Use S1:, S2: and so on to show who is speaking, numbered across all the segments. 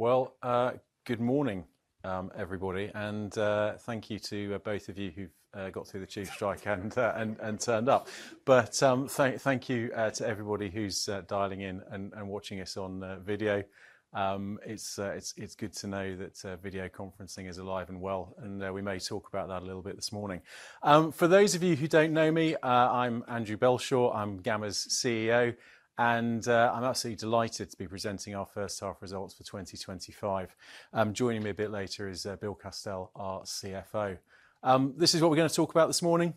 S1: Well, good morning, everybody, and thank you to both of you who've got through the Tube strike and turned up. But thank you to everybody who's dialing in and watching us on video. It's good to know that video conferencing is alive and well, and we may talk about that a little bit this morning. For those of you who don't know me, I'm Andrew Belshaw, I'm Gamma's CEO, and I'm absolutely delighted to be presenting our first half results for 2025. Joining me a bit later is Bill Castell, our CFO. This is what we're gonna talk about this morning.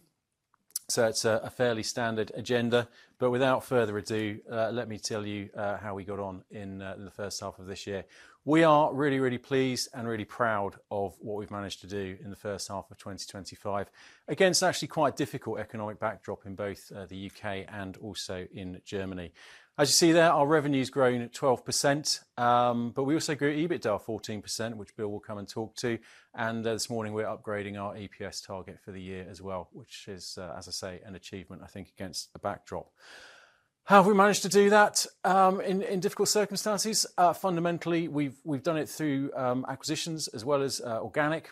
S1: So it's a fairly standard agenda, but without further ado, let me tell you how we got on in the first half of this year. We are really, really pleased and really proud of what we've managed to do in the first half of 2025. Against actually quite a difficult economic backdrop in both the UK and also in Germany. As you see there, our revenue's grown at 12%, but we also grew EBITDA 14%, which Bill will come and talk to, and this morning we're upgrading our EPS target for the year as well, which is, as I say, an achievement, I think, against a backdrop. How have we managed to do that in difficult circumstances? Fundamentally, we've done it through acquisitions as well as organic.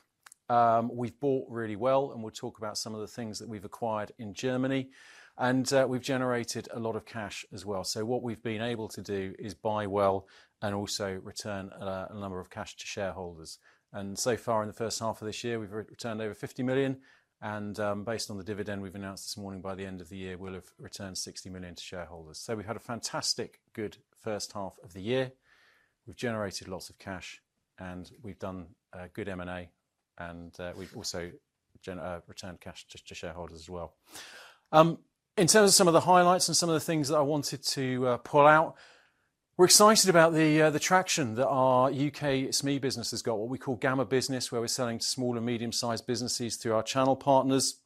S1: We've bought really well, and we'll talk about some of the things that we've acquired in Germany, and we've generated a lot of cash as well. So what we've been able to do is buy well and also return a number of cash to shareholders. So far in the first half of this year, we've returned over 50 million. Based on the dividend we've announced this morning, by the end of the year, we'll have returned 60 million to shareholders. We've had a fantastic good first half of the year. We've generated lots of cash, and we've done a good M&A, and we've also returned cash to shareholders as well. In terms of some of the highlights and some of the things that I wanted to pull out, we're excited about the traction that our UK SME business has got, what we call Gamma Business, where we're selling to small and medium-sized businesses through our channel partners.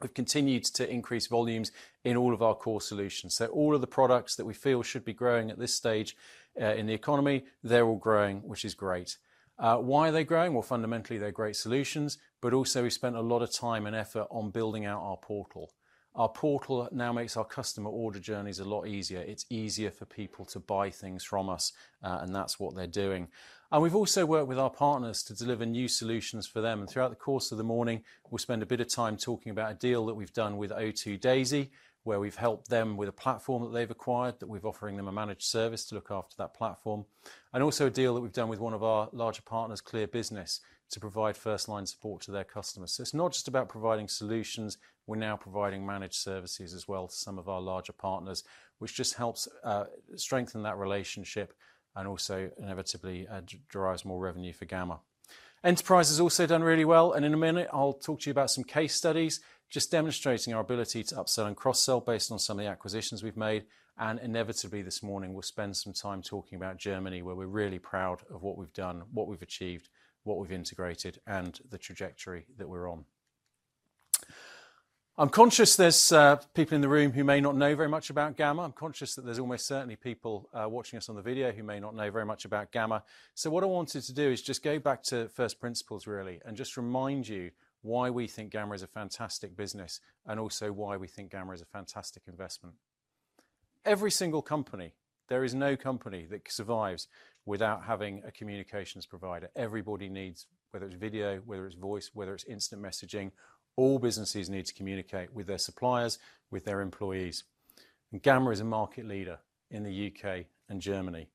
S1: We've continued to increase volumes in all of our core solutions. So all of the products that we feel should be growing at this stage, in the economy, they're all growing, which is great. Why are they growing? Well, fundamentally, they're great solutions, but also we spent a lot of time and effort on building out our portal. Our portal now makes our customer order journeys a lot easier. It's easier for people to buy things from us, and that's what they're doing. And we've also worked with our partners to deliver new solutions for them. And throughout the course of the morning, we'll spend a bit of time talking about a deal that we've done with Daisy, where we've helped them with a platform that they've acquired, that we've offered them a managed service to look after that platform. And also a deal that we've done with one of our larger partners, Clear Business, to provide first-line support to their customers. So it's not just about providing solutions, we're now providing managed services as well to some of our larger partners, which just helps, strengthen that relationship and also inevitably, drives more revenue for Gamma. Enterprise has also done really well, and in a minute, I'll talk to you about some case studies, just demonstrating our ability to upsell and cross-sell based on some of the acquisitions we've made. And inevitably this morning, we'll spend some time talking about Germany, where we're really proud of what we've done, what we've achieved, what we've integrated, and the trajectory that we're on. I'm conscious there's, people in the room who may not know very much about Gamma. I'm conscious that there's almost certainly people watching us on the video who may not know very much about Gamma. So what I wanted to do is just go back to first principles, really, and just remind you why we think Gamma is a fantastic business and also why we think Gamma is a fantastic investment. Every single company, there is no company that survives without having a communications provider. Everybody needs, whether it's video, whether it's voice, whether it's instant messaging, all businesses need to communicate with their suppliers, with their employees. And Gamma is a market leader in the UK and Germany.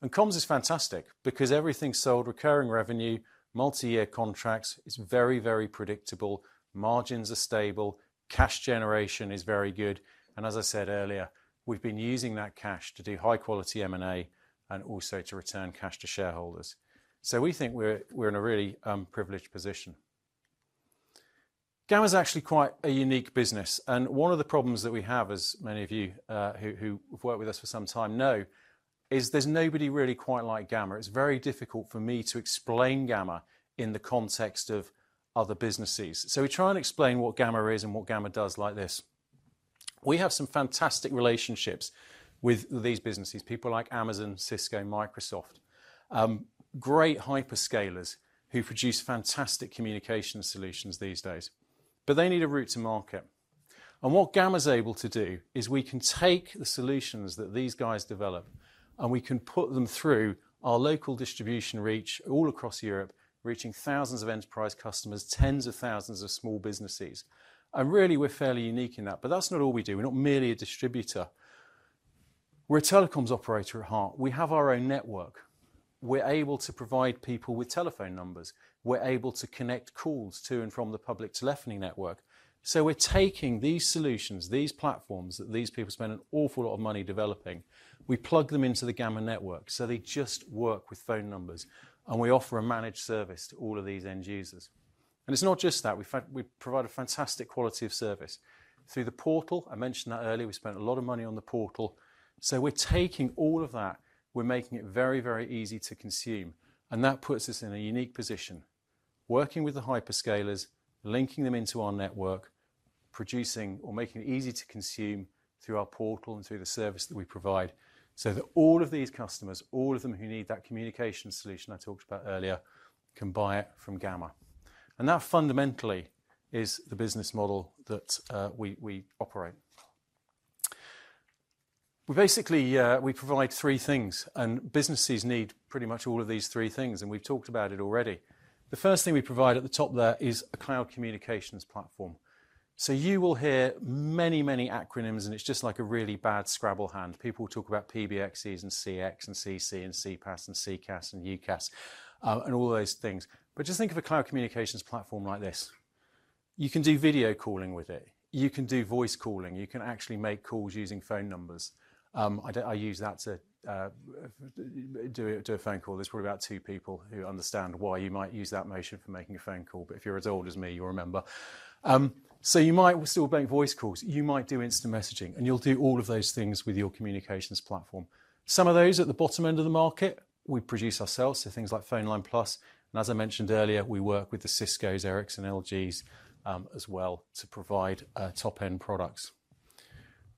S1: And comms is fantastic because everything's sold, recurring revenue, multi-year contracts, it's very, very predictable, margins are stable, cash generation is very good. And as I said earlier, we've been using that cash to do high-quality M&A and also to return cash to shareholders. So we think we're in a really privileged position. Gamma's actually quite a unique business, and one of the problems that we have, as many of you who have worked with us for some time know, is there's nobody really quite like Gamma. It's very difficult for me to explain Gamma in the context of other businesses. So we try and explain what Gamma is and what Gamma does like this. We have some fantastic relationships with these businesses, people like Amazon, Cisco, Microsoft, great hyperscalers who produce fantastic communication solutions these days, but they need a route to market. And what Gamma's able to do is we can take the solutions that these guys develop, and we can put them through our local distribution reach all across Europe, reaching thousands of enterprise customers, tens of thousands of small businesses. Really, we're fairly unique in that, but that's not all we do. We're not merely a distributor. We're a telecoms operator at heart. We have our own network. We're able to provide people with telephone numbers. We're able to connect calls to and from the public telephony network. We're taking these solutions, these platforms that these people spend an awful lot of money developing, we plug them into the Gamma network so they just work with phone numbers, and we offer a managed service to all of these end users. It's not just that. We provide a fantastic quality of service through the portal. I mentioned that earlier. We spent a lot of money on the portal. So we're taking all of that, we're making it very, very easy to consume, and that puts us in a unique position, working with the hyperscalers, linking them into our network, producing or making it easy to consume through our portal and through the service that we provide so that all of these customers, all of them who need that communication solution I talked about earlier, can buy it from Gamma. And that fundamentally is the business model that we operate. We basically provide three things, and businesses need pretty much all of these three things, and we've talked about it already. The first thing we provide at the top there is a cloud communications platform. So you will hear many, many acronyms, and it's just like a really bad scrabble hand. People talk about PBXs and CX and CC and CPaaS and CCaaS and UCaaS, and all those things. But just think of a cloud communications platform like this. You can do video calling with it. You can do voice calling. You can actually make calls using phone numbers. I'd use that to do a phone call. There's probably about two people who understand why you might use that motion for making a phone call, but if you're as old as me, you'll remember. So you might still make voice calls. You might do instant messaging, and you'll do all of those things with your communications platform. Some of those at the bottom end of the market, we produce ourselves. So things like PhoneLine+. And as I mentioned earlier, we work with the Ciscos, Ericsson-LGs, as well to provide top-end products.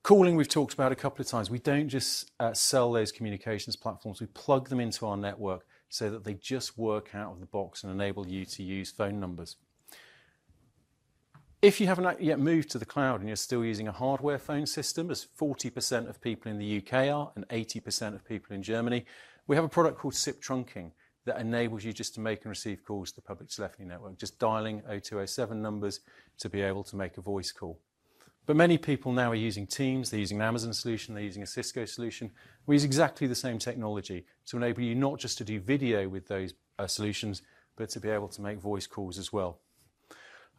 S1: calling, we've talked about a couple of times. We don't just sell those communications platforms. We plug them into our network so that they just work out of the box and enable you to use phone numbers. If you haven't yet moved to the cloud and you're still using a hardware phone system, as 40% of people in the UK are and 80% of people in Germany, we have a product called SIP Trunking that enables you just to make and receive calls to the public telephony network, just dialing 0207 numbers to be able to make a voice call. But many people now are using Teams. They're using an Amazon solution. They're using a Cisco solution. We use exactly the same technology to enable you not just to do video with those solutions, but to be able to make voice calls as well.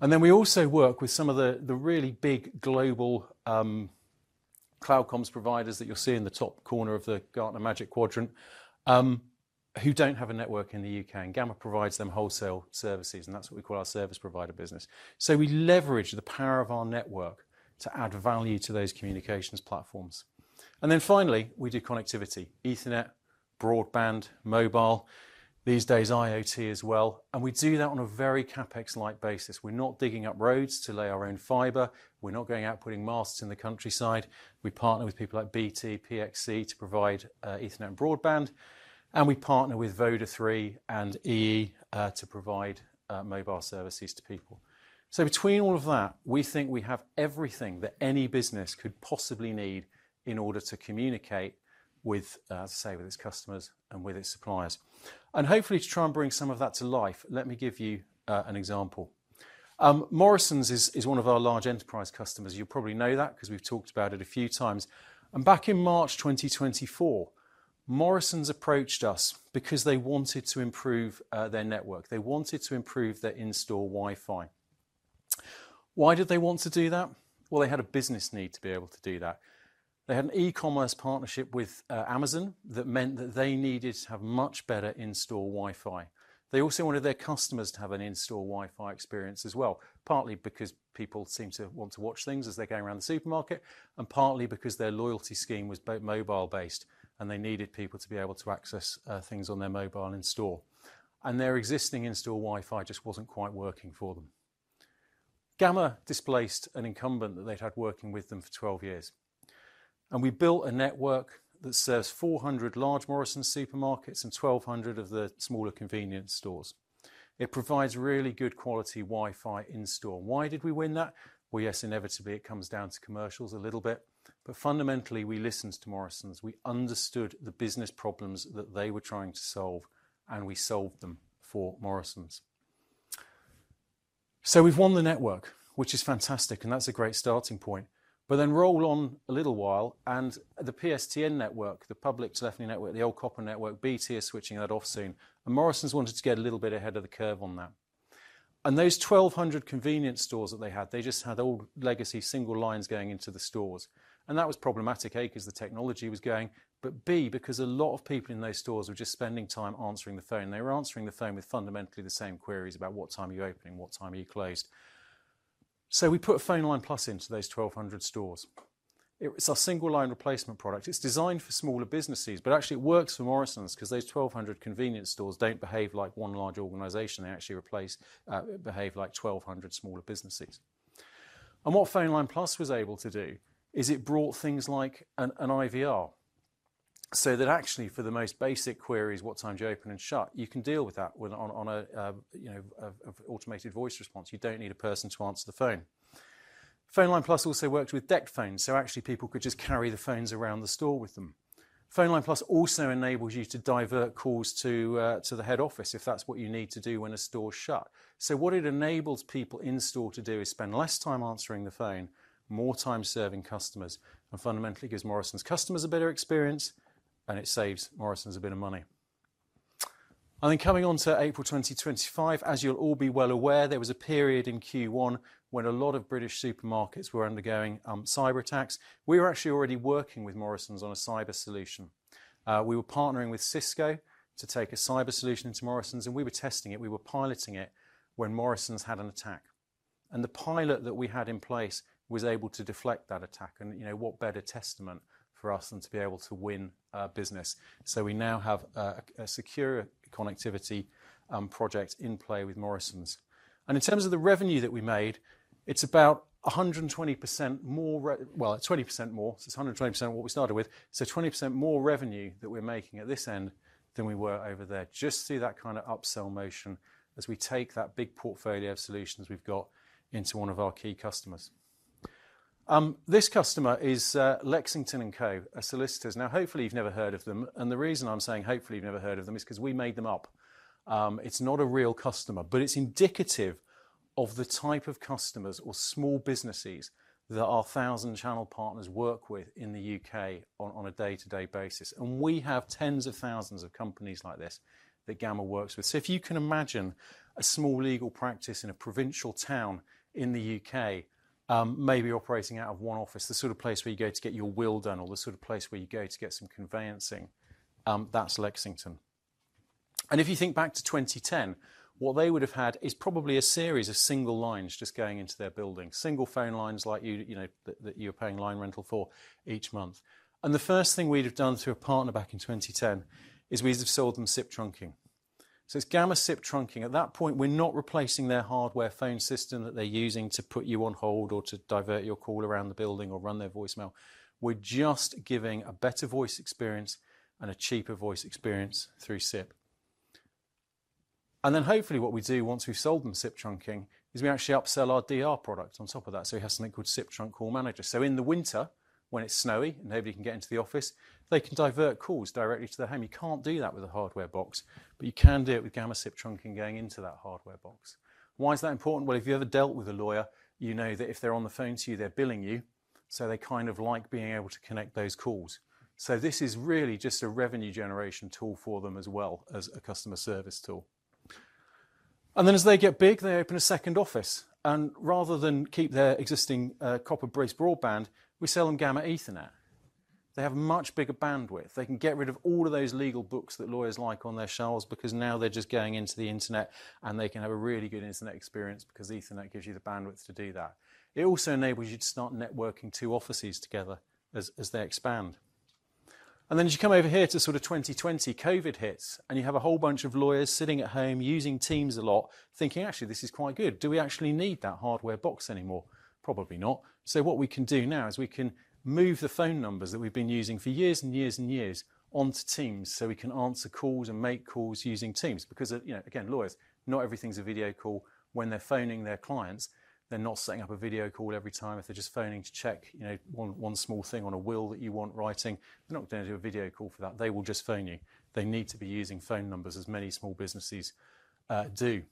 S1: And then we also work with some of the really big global cloud comms providers that you'll see in the top corner of the Gartner Magic Quadrant, who don't have a network in the U.K., and Gamma provides them wholesale services, and that's what we call our service provider business. So we leverage the power of our network to add value to those communications platforms. And then finally, we do connectivity, Ethernet, broadband, mobile, these days IoT as well. And we do that on a very CapEx-like basis. We're not digging up roads to lay our own fiber. We're not going out putting masts in the countryside. We partner with people like BT, PXC to provide Ethernet and broadband. And we partner with Vodafone, Three and EE, to provide mobile services to people. Between all of that, we think we have everything that any business could possibly need in order to communicate with, as I say, with its customers and with its suppliers. Hopefully to try and bring some of that to life, let me give you an example. Morrisons is one of our large enterprise customers. You'll probably know that 'cause we've talked about it a few times. Back in March 2024, Morrisons approached us because they wanted to improve their network. They wanted to improve their in-store Wi-Fi. Why did they want to do that? They had a business need to be able to do that. They had an e-commerce partnership with Amazon that meant that they needed to have much better in-store Wi-Fi. They also wanted their customers to have an in-store Wi-Fi experience as well, partly because people seem to want to watch things as they're going around the supermarket, and partly because their loyalty scheme was both mobile-based and they needed people to be able to access things on their mobile in-store. And their existing in-store Wi-Fi just wasn't quite working for them. Gamma displaced an incumbent that they'd had working with them for 12 years. And we built a network that serves 400 large Morrisons supermarkets and 1,200 of the smaller convenience stores. It provides really good quality Wi-Fi in-store. Why did we win that? Well, yes, inevitably it comes down to commercials a little bit, but fundamentally we listened to Morrisons. We understood the business problems that they were trying to solve, and we solved them for Morrisons. So we've won the network, which is fantastic, and that's a great starting point. But then roll on a little while and the PSTN network, the public telephony network, the old copper network, BT is switching that off soon. And Morrisons wanted to get a little bit ahead of the curve on that. And those 1,200 convenience stores that they had, they just had old legacy single lines going into the stores. And that was problematic, A, 'cause the technology was going, but B, because a lot of people in those stores were just spending time answering the phone. They were answering the phone with fundamentally the same queries about what time are you opening, what time are you closed. So we put PhoneLine+ into those 1,200 stores. It's a single line replacement product. It's designed for smaller businesses, but actually it works for Morrisons 'cause those 1,200 convenience stores don't behave like one large organization. They actually behave like 1,200 smaller businesses. And what PhoneLine+ was able to do is it brought things like an IVR so that actually for the most basic queries, what time do you open and shut? You can deal with that with an automated voice response. You don't need a person to answer the phone. PhoneLine+ also worked with DECT phones, so actually people could just carry the phones around the store with them. PhoneLine+ also enables you to divert calls to the head office if that's what you need to do when a store's shut. So what it enables people in-store to do is spend less time answering the phone, more time serving customers, and fundamentally gives Morrisons customers a better experience, and it saves Morrisons a bit of money. And then coming onto April 2025, as you'll all be well aware, there was a period in Q1 when a lot of British supermarkets were undergoing cyber attacks. We were actually already working with Morrisons on a cyber solution. We were partnering with Cisco to take a cyber solution into Morrisons, and we were testing it. We were piloting it when Morrisons had an attack. And the pilot that we had in place was able to deflect that attack. And you know, what better testament for us than to be able to win our business. So we now have a secure connectivity project in play with Morrisons. In terms of the revenue that we made, it's about 120% more, well, it's 20% more. It's 120% of what we started with. 20% more revenue that we're making at this end than we were over there, just through that kind of upsell motion as we take that big portfolio of solutions we've got into one of our key customers. This customer is Lexington and Cove, a Solicitors. Now, hopefully you've never heard of them. The reason I'm saying hopefully you've never heard of them is 'cause we made them up. It's not a real customer, but it's indicative of the type of customers or small businesses that our thousand-channel partners work with in the UK on a day-to-day basis. We have tens of thousands of companies like this that Gamma works with. So if you can imagine a small legal practice in a provincial town in the UK, maybe operating out of one office, the sort of place where you go to get your will done or the sort of place where you go to get some conveyancing, that's Lexington. And if you think back to 2010, what they would've had is probably a series of single lines just going into their buildings, single phone lines like you, you know, that, that you're paying line rental for each month. And the first thing we'd have done through a partner back in 2010 is we'd have sold them SIP Trunking. So it's Gamma SIP Trunking. At that point, we're not replacing their hardware phone system that they're using to put you on hold or to divert your call around the building or run their voicemail. We're just giving a better voice experience and a cheaper voice experience through SIP. And then hopefully what we do once we've sold them SIP Trunking is we actually upsell our DR product on top of that. So we have something called SIP Trunk Call Manager. So in the winter, when it's snowy and nobody can get into the office, they can divert calls directly to their home. You can't do that with a hardware box, but you can do it with Gamma SIP Trunking going into that hardware box. Why is that important? Well, if you ever dealt with a lawyer, you know that if they're on the phone to you, they're billing you. So they kind of like being able to connect those calls. So this is really just a revenue generation tool for them as well as a customer service tool. And then as they get big, they open a second office. And rather than keep their existing, copper-based broadband, we sell them Gamma Ethernet. They have a much bigger bandwidth. They can get rid of all of those legal books that lawyers like on their shelves because now they're just going into the internet and they can have a really good internet experience because the ethernet gives you the bandwidth to do that. It also enables you to start networking two offices together as they expand. And then as you come over here to sort of 2020, COVID hits, and you have a whole bunch of lawyers sitting at home using Teams a lot, thinking, actually, this is quite good. Do we actually need that hardware box anymore? Probably not. So what we can do now is we can move the phone numbers that we've been using for years and years and years onto Teams so we can answer calls and make calls using Teams. Because, you know, again, lawyers, not everything's a video call. When they're phoning their clients, they're not setting up a video call every time. If they're just phoning to check, you know, one small thing on a will that you want writing, they're not gonna do a video call for that. They will just phone you. They need to be using phone numbers as many small businesses do.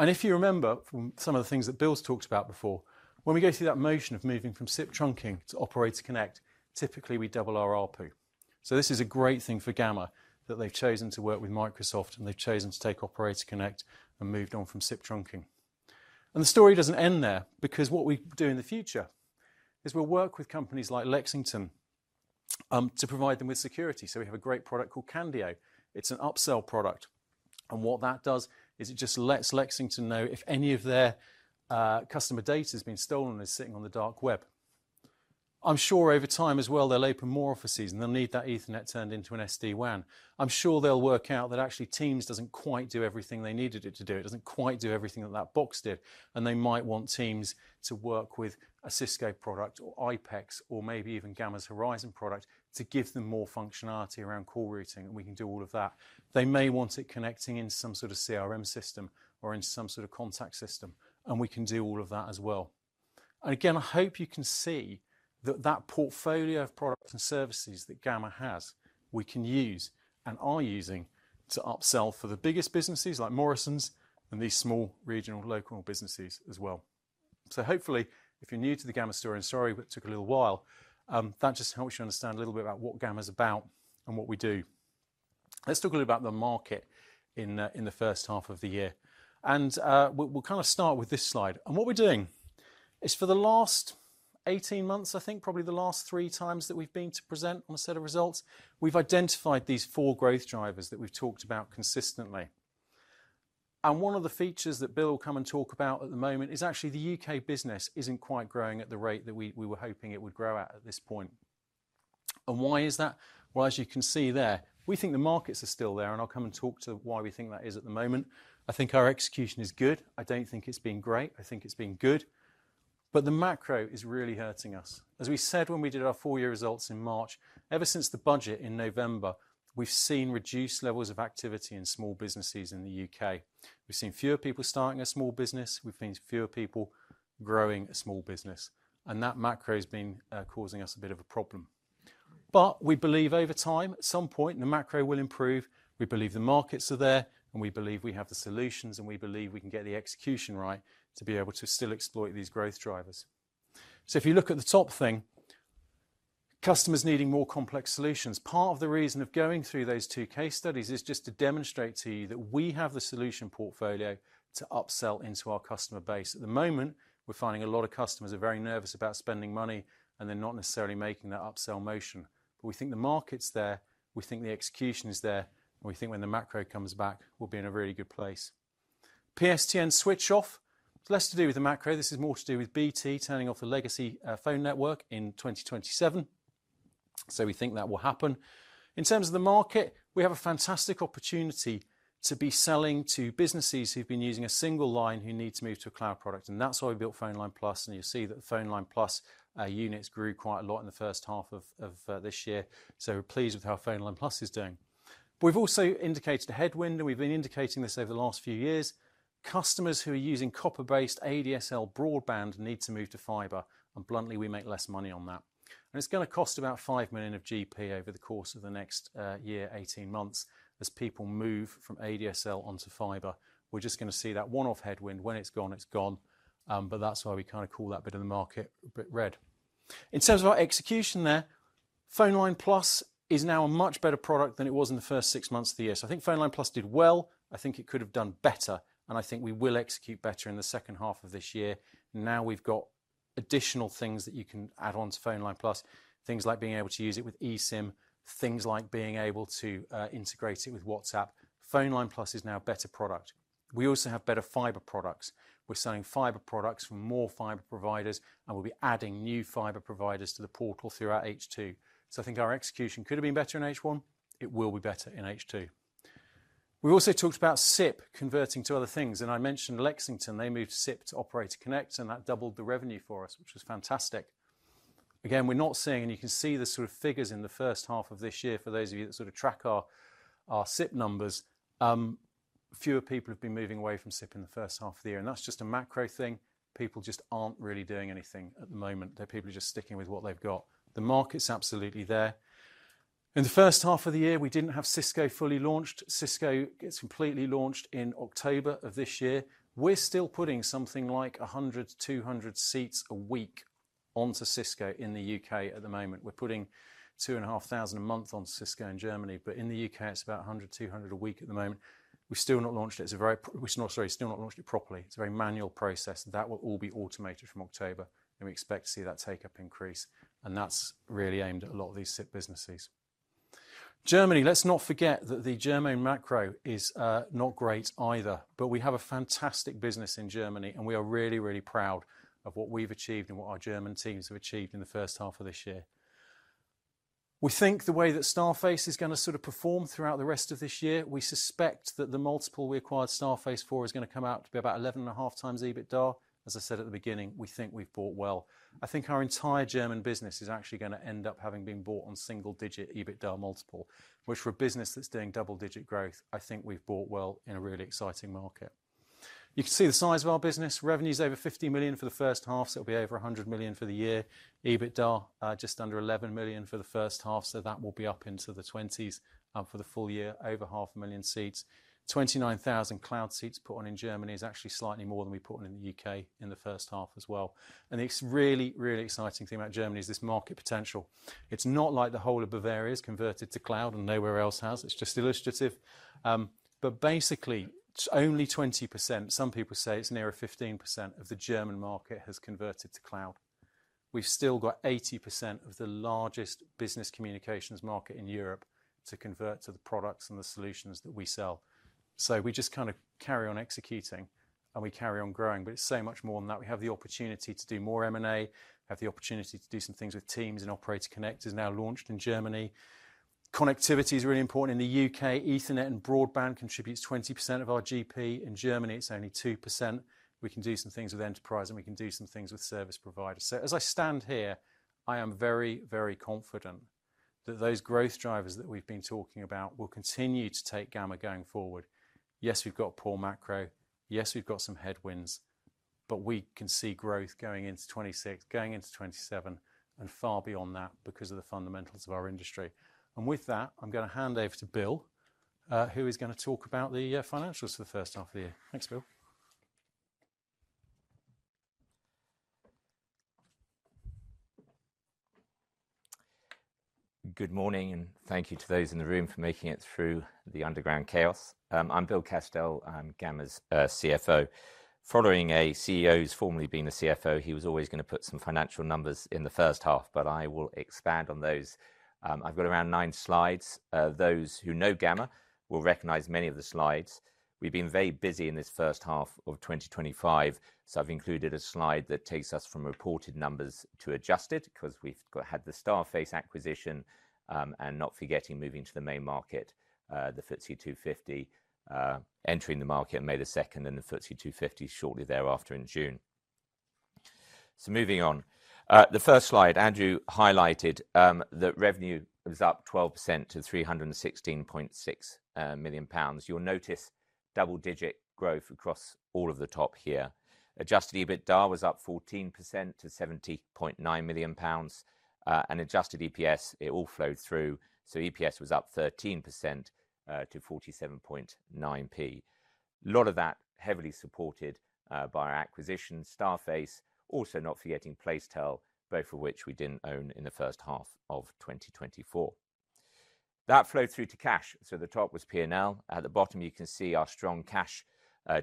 S1: And if you remember from some of the things that Bill's talked about before, when we go through that motion of moving from SIP Trunking to Operator Connect, typically we double our ARPU. This is a great thing for Gamma that they've chosen to work with Microsoft, and they've chosen to take Operator Connect and moved on from SIP Trunking. The story doesn't end there because what we do in the future is we'll work with companies like Lexington to provide them with security. We have a great product called Candio. It's an upsell product. What that does is it just lets Lexington know if any of their customer data has been stolen and is sitting on the dark web. I'm sure over time as well, they'll open more offices and they'll need that Ethernet turned into an SD-WAN. I'm sure they'll work out that actually Teams doesn't quite do everything they needed it to do. It doesn't quite do everything that that box did. And they might want Teams to work with a Cisco product or iPECS or maybe even Gamma's Horizon product to give them more functionality around call routing. And we can do all of that. They may want it connecting into some sort of CRM system or into some sort of contact system. And we can do all of that as well. And again, I hope you can see that that portfolio of products and services that Gamma has, we can use and are using to upsell for the biggest businesses like Morrisons and these small regional local businesses as well. So hopefully if you're new to the Gamma story, I'm sorry, but it took a little while. That just helps you understand a little bit about what Gamma's about and what we do. Let's talk a little bit about the market in the first half of the year. We'll kind of start with this slide. What we're doing is for the last 18 months, I think probably the last three times that we've been to present on a set of results, we've identified these four growth drivers that we've talked about consistently. One of the features that Bill will come and talk about at the moment is actually the UK business isn't quite growing at the rate that we were hoping it would grow at at this point. Why is that? Well, as you can see there, we think the markets are still there, and I'll come and talk to why we think that is at the moment. I think our execution is good. I don't think it's been great. I think it's been good, but the macro is really hurting us. As we said when we did our four-year results in March, ever since the budget in November, we've seen reduced levels of activity in small businesses in the U.K. We've seen fewer people starting a small business. We've seen fewer people growing a small business. And that macro has been causing us a bit of a problem. But we believe over time, at some point, the macro will improve. We believe the markets are there, and we believe we have the solutions, and we believe we can get the execution right to be able to still exploit these growth drivers. So if you look at the top thing, customers needing more complex solutions. Part of the reason for going through those two case studies is just to demonstrate to you that we have the solution portfolio to upsell into our customer base. At the moment, we're finding a lot of customers are very nervous about spending money, and they're not necessarily making that upsell motion. But we think the market's there. We think the execution's there. And we think when the macro comes back, we'll be in a really good place. PSTN switch off. It's less to do with the macro. This is more to do with BT turning off the legacy phone network in 2027. So we think that will happen. In terms of the market, we have a fantastic opportunity to be selling to businesses who've been using a single line who need to move to a cloud product. And that's why we built PhoneLine+. And you'll see that the PhoneLine+ units grew quite a lot in the first half of this year. So we're pleased with how PhoneLine+ is doing. But we've also indicated a headwind, and we've been indicating this over the last few years. Customers who are using copper-based ADSL broadband need to move to fiber. And bluntly, we make less money on that. And it's gonna cost about 5 million of GP over the course of the next year, 18 months as people move from ADSL onto fiber. We're just gonna see that one-off headwind. When it's gone, it's gone. But that's why we kind of call that bit of the market a bit red. In terms of our execution there, PhoneLine+ is now a much better product than it was in the first six months of the year. So I think PhoneLine+ did well. I think it could have done better. And I think we will execute better in the second half of this year. Now we've got additional things that you can add on to PhoneLine+, things like being able to use it with eSIM, things like being able to integrate it with WhatsApp. PhoneLine+ is now a better product. We also have better fiber products. We're selling fiber products from more fiber providers, and we'll be adding new fiber providers to the portal through our H2, so I think our execution could have been better in H1. It will be better in H2. We also talked about SIP converting to other things, and I mentioned Lexington. They moved SIP to Operator Connect, and that doubled the revenue for us, which was fantastic. Again, we're not seeing, and you can see the sort of figures in the first half of this year for those of you that sort of track our, our SIP numbers. Fewer people have been moving away from SIP in the first half of the year. That's just a macro thing. People just aren't really doing anything at the moment. The people are just sticking with what they've got. The market's absolutely there. In the first half of the year, we didn't have Cisco fully launched. Cisco gets completely launched in October of this year. We're still putting something like 100-200 seats a week onto Cisco in the U.K. at the moment. We're putting 2,500 a month onto Cisco in Germany. But in the U.K., it's about 100-200 a week at the moment. We've still not launched it properly. It's a very manual process. That will all be automated from October. We expect to see that take-up increase. And that's really aimed at a lot of these SIP businesses. Germany, let's not forget that the German macro is not great either. But we have a fantastic business in Germany, and we are really, really proud of what we've achieved and what our German teams have achieved in the first half of this year. We think the way that Starface is gonna sort of perform throughout the rest of this year, we suspect that the multiple we acquired Starface for is gonna come out to be about 11.5 times EBITDA. As I said at the beginning, we think we've bought well. I think our entire German business is actually gonna end up having been bought on single-digit EBITDA multiple, which for a business that's doing double-digit growth, I think we've bought well in a really exciting market. You can see the size of our business. Revenue's over 50 million for the first half. So it'll be over 100 million for the year. EBITDA just under 11 million for the first half. So that will be up into the GBP 20s million for the full year, over 500,000 seats. 29,000 cloud seats put on in Germany is actually slightly more than we put on in the UK in the first half as well. And the really, really exciting thing about Germany is this market potential. It's not like the whole of Bavaria's converted to cloud and nowhere else has. It's just illustrative, but basically, it's only 20%. Some people say it's nearer 15% of the German market has converted to cloud. We've still got 80% of the largest business communications market in Europe to convert to the products and the solutions that we sell. So we just kind of carry on executing, and we carry on growing. But it's so much more than that. We have the opportunity to do more M&A. We have the opportunity to do some things with Teams, and Operator Connect is now launched in Germany. Connectivity's really important in the U.K. Ethernet and broadband contributes 20% of our GP. In Germany, it's only 2%. We can do some things with enterprise, and we can do some things with service providers. So as I stand here, I am very, very confident that those growth drivers that we've been talking about will continue to take Gamma going forward. Yes, we've got a poor macro. Yes, we've got some headwinds, but we can see growth going into 2026, going into 2027, and far beyond that because of the fundamentals of our industry. And with that, I'm gonna hand over to Bill, who is gonna talk about the financials for the first half of the year. Thanks, Bill.
S2: Good morning, and thank you to those in the room for making it through the underground chaos. I'm Bill Castell. I'm Gamma's CFO. Following the CEO who was formerly a CFO, he was always gonna put some financial numbers in the first half, but I will expand on those. I've got around nine slides. Those who know Gamma will recognize many of the slides. We've been very busy in this first half of 2025, so I've included a slide that takes us from reported numbers to adjusted because we've got the Starface acquisition, and not forgetting moving to the Main Market, the FTSE 250, entering the market May the 2nd and the FTSE 250 shortly thereafter in June. Moving on, the first slide, Andrew highlighted, that revenue is up 12% to 316.6 million pounds. You'll notice double-digit growth across all of the top here. Adjusted EBITDA was up 14% to 70.9 million pounds, and adjusted EPS, it all flowed through. EPS was up 13%, to 47.9p. A lot of that heavily supported, by our acquisition, Starface, also not forgetting Placetel, both of which we didn't own in the first half of 2024. That flowed through to cash. The top was P&L. At the bottom, you can see our strong cash,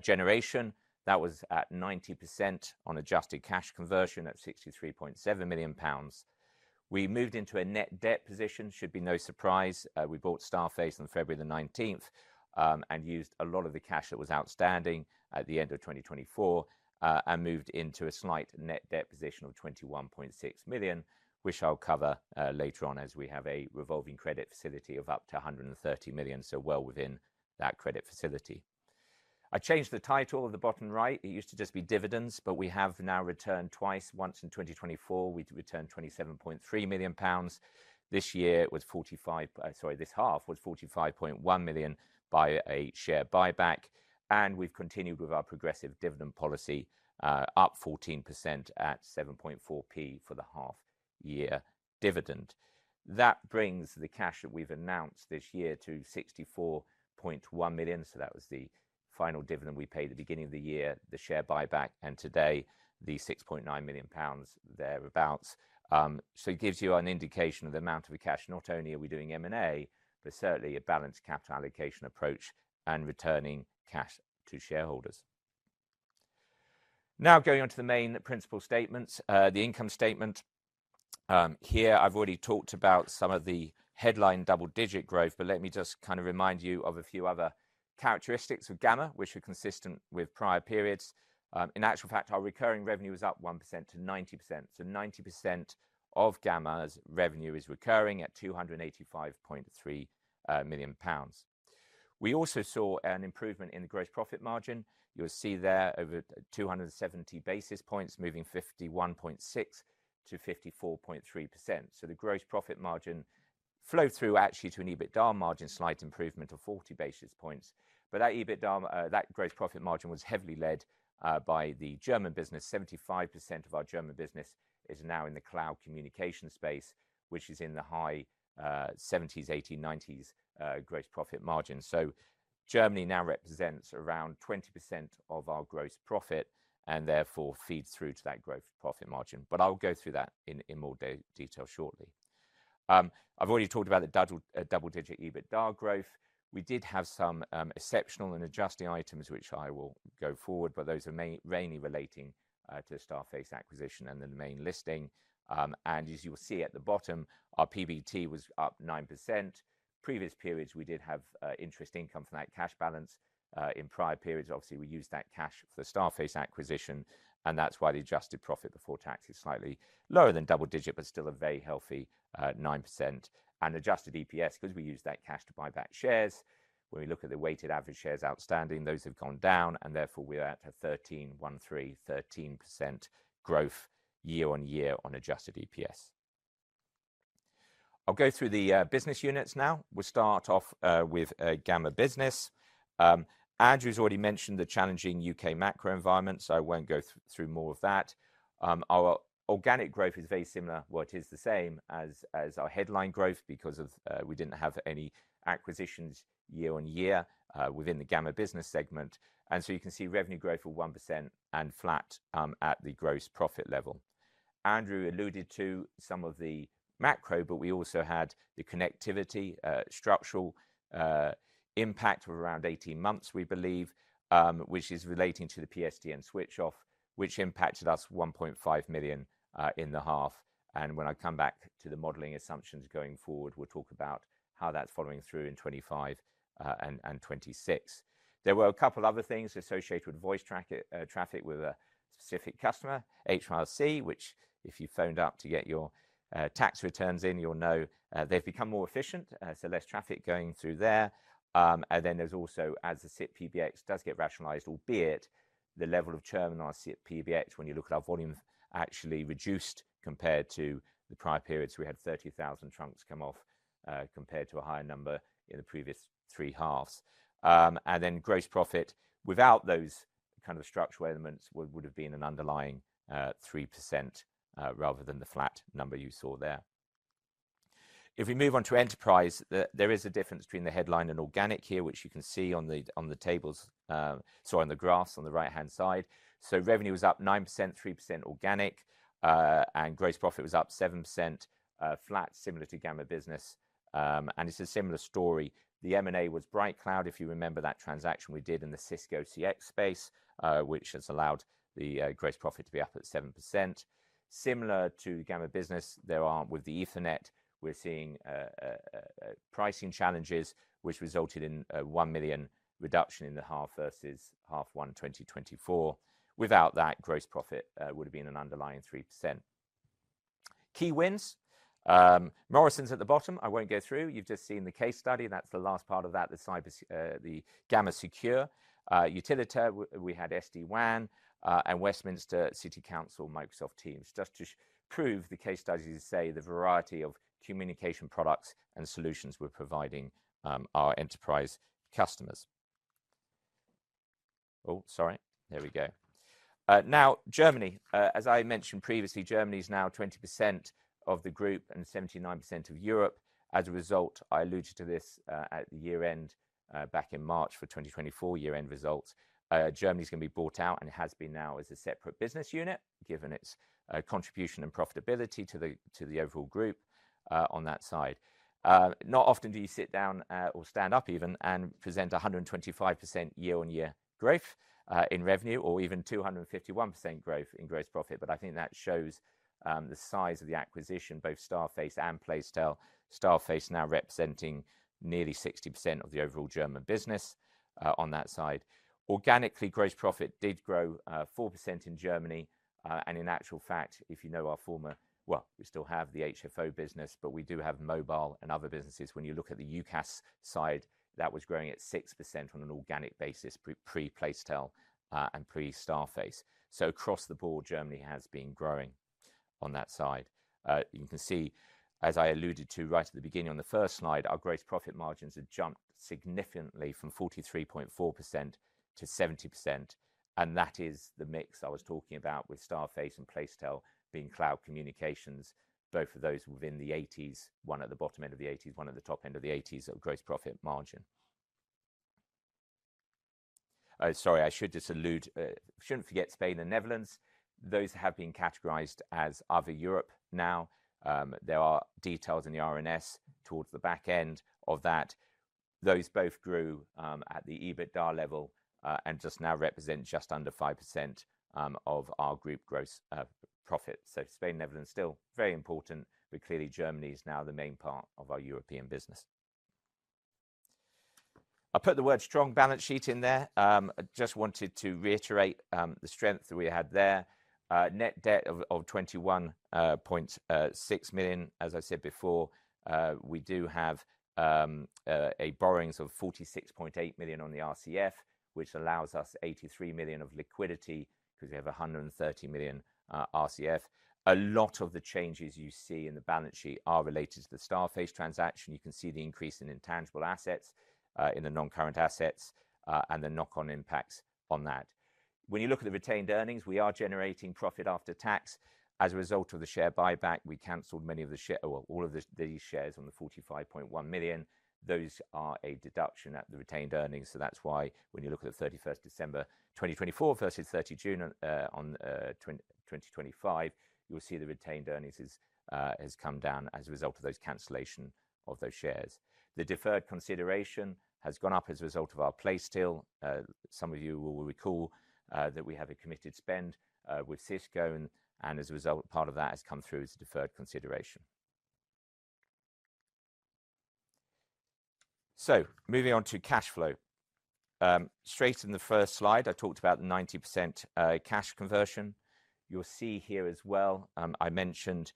S2: generation. That was at 90% on adjusted cash conversion at 63.7 million pounds. We moved into a net debt position. Should be no surprise. We bought Starface on February the 19th, and used a lot of the cash that was outstanding at the end of 2024, and moved into a slight net debt position of £21.6 million, which I'll cover later on as we have a revolving credit facility of up to £130 million, so well within that credit facility. I changed the title of the bottom right. It used to just be dividends, but we have now returned twice. Once in 2024, we returned £27.3 million. This year it was 45, sorry, this half was 45.1 million by a share buyback. And we've continued with our progressive dividend policy, up 14% at 7.4p for the half-year dividend. That brings the cash that we've announced this year to £64.1 million. So that was the final dividend we paid at the beginning of the year, the share buyback, and today the £6.9 million thereabouts. So it gives you an indication of the amount of cash. Not only are we doing M&A, but certainly a balanced capital allocation approach and returning cash to shareholders. Now going on to the main principal statements, the income statement, here I've already talked about some of the headline double-digit growth, but let me just kind of remind you of a few other characteristics of Gamma, which are consistent with prior periods. In actual fact, our recurring revenue was up 1% to 90%. So 90% of Gamma's revenue is recurring at 285.3 million pounds. We also saw an improvement in the gross profit margin. You'll see there over 270 basis points moving 51.6%-54.3%. So the gross profit margin flowed through actually to an EBITDA margin, slight improvement of 40 basis points. But that EBITDA, that gross profit margin was heavily led by the German business. 75% of our German business is now in the cloud communication space, which is in the high 70s-90s gross profit margin. So Germany now represents around 20% of our gross profit and therefore feeds through to that gross profit margin. But I'll go through that in more detail shortly. I've already talked about the double-digit EBITDA growth. We did have some exceptional and adjusting items, which I will go into, but those are mainly relating to the Starface acquisition and then the main listing. And as you'll see at the bottom, our PBT was up 9%. Previous periods, we did have interest income from that cash balance in prior periods. Obviously, we used that cash for the Starface acquisition, and that's why the adjusted profit before tax is slightly lower than double-digit, but still a very healthy 9%. And adjusted EPS, because we used that cash to buy back shares. When we look at the weighted average shares outstanding, those have gone down, and therefore we're at a 13.13, 13% growth year-on-year on adjusted EPS. I'll go through the business units now. We'll start off with Gamma Business. Andrew's already mentioned the challenging U.K. macro environment, so I won't go through more of that. Our organic growth is very similar. Well, it is the same as our headline growth because we didn't have any acquisitions year on year within the Gamma Business segment. And so you can see revenue growth of 1% and flat at the gross profit level. Andrew alluded to some of the macro, but we also had the connectivity structural impact of around 18 months, we believe, which is relating to the PSTN switch-off, which impacted us 1.5 million in the half. And when I come back to the modeling assumptions going forward, we'll talk about how that's following through in 2025, and 2026. There were a couple of other things associated with voice traffic with a specific customer, HMRC, which if you phoned up to get your tax returns in, you'll know, they've become more efficient, so less traffic going through there. And then there's also, as the SIP PBX does get rationalized, albeit the level of churn on our SIP PBX, when you look at our volume, actually reduced compared to the prior periods. We had 30,000 trunks come off, compared to a higher number in the previous three halves. And then gross profit without those kind of structural elements would have been an underlying 3%, rather than the flat number you saw there. If we move on to enterprise, there is a difference between the headline and organic here, which you can see on the graphs on the right-hand side. So revenue was up 9%, 3% organic, and gross profit was up 7%, flat, similar to Gamma business. And it's a similar story. The M&A was BrightCloud, if you remember that transaction we did in the Cisco CX space, which has allowed gross profit to be up at 7%. Similar to Gamma business, there are with the Ethernet, we're seeing pricing challenges, which resulted in a 1 million reduction in the half versus H1 2024. Without that, gross profit would have been an underlying 3%. Key wins, Morrisons at the bottom. I won't go through. You've just seen the case study. That's the last part of that, the cybersecure, Gamma Secure, Utilita. We had SD-WAN, and Westminster City Council Microsoft Teams, just to prove the case studies say the variety of communication products and solutions we're providing, our enterprise customers. Oh, sorry. There we go. Now Germany, as I mentioned previously, Germany's now 20% of the group and 79% of Europe. As a result, I alluded to this, at the year end, back in March for 2024 year-end results. Germany's gonna be bought out, and it has been now as a separate business unit, given its, contribution and profitability to the, to the overall group, on that side. Not often do you sit down, or stand up even, and present 125% year-on-year growth, in revenue, or even 251% growth in gross profit. But I think that shows the size of the acquisition, both Starface and Placetel. Starface now representing nearly 60% of the overall German business, on that side. Organically, gross profit did grow 4% in Germany, and in actual fact, if you know our former, well, we still have the HFO business, but we do have mobile and other businesses. When you look at the UCaaS side, that was growing at 6% on an organic basis pre-Placetel, and pre-Starface. So across the board, Germany has been growing on that side. You can see, as I alluded to right at the beginning on the first slide, our gross profit margins have jumped significantly from 43.4% to 70%. That is the mix I was talking about with Starface and Placetel being cloud communications, both of those within the 80s%, one at the bottom end of the 80s%, one at the top end of the 80s% of gross profit margin. Sorry, I should just allude, shouldn't forget Spain and Netherlands. Those have been categorized as Other Europe now. There are details in the RNS towards the back end of that. Those both grew at the EBITDA level and just now represent just under 5% of our group gross profit. Spain, Netherlands still very important, but clearly Germany is now the main part of our European business. I put the word strong balance sheet in there. I just wanted to reiterate the strength that we had there. Net debt of 21.6 million. As I said before, we do have borrowings of 46.8 million on the RCF, which allows us 83 million of liquidity because we have 130 million RCF. A lot of the changes you see in the balance sheet are related to the Starface transaction. You can see the increase in intangible assets in the non-current assets and the knock-on impacts on that. When you look at the retained earnings, we are generating profit after tax. As a result of the share buyback, we canceled many of the share, well, all of these shares on the 45.1 million. Those are a deduction at the retained earnings. So that's why when you look at the 31st December 2024 versus 30 June 2025, you'll see the retained earnings has come down as a result of those cancellation of those shares. The deferred consideration has gone up as a result of our Placetel. Some of you will recall that we have a committed spend with Cisco, and as a result, part of that has come through as a deferred consideration. So moving on to cash flow. Straight in the first slide, I talked about the 90% cash conversion. You'll see here as well, I mentioned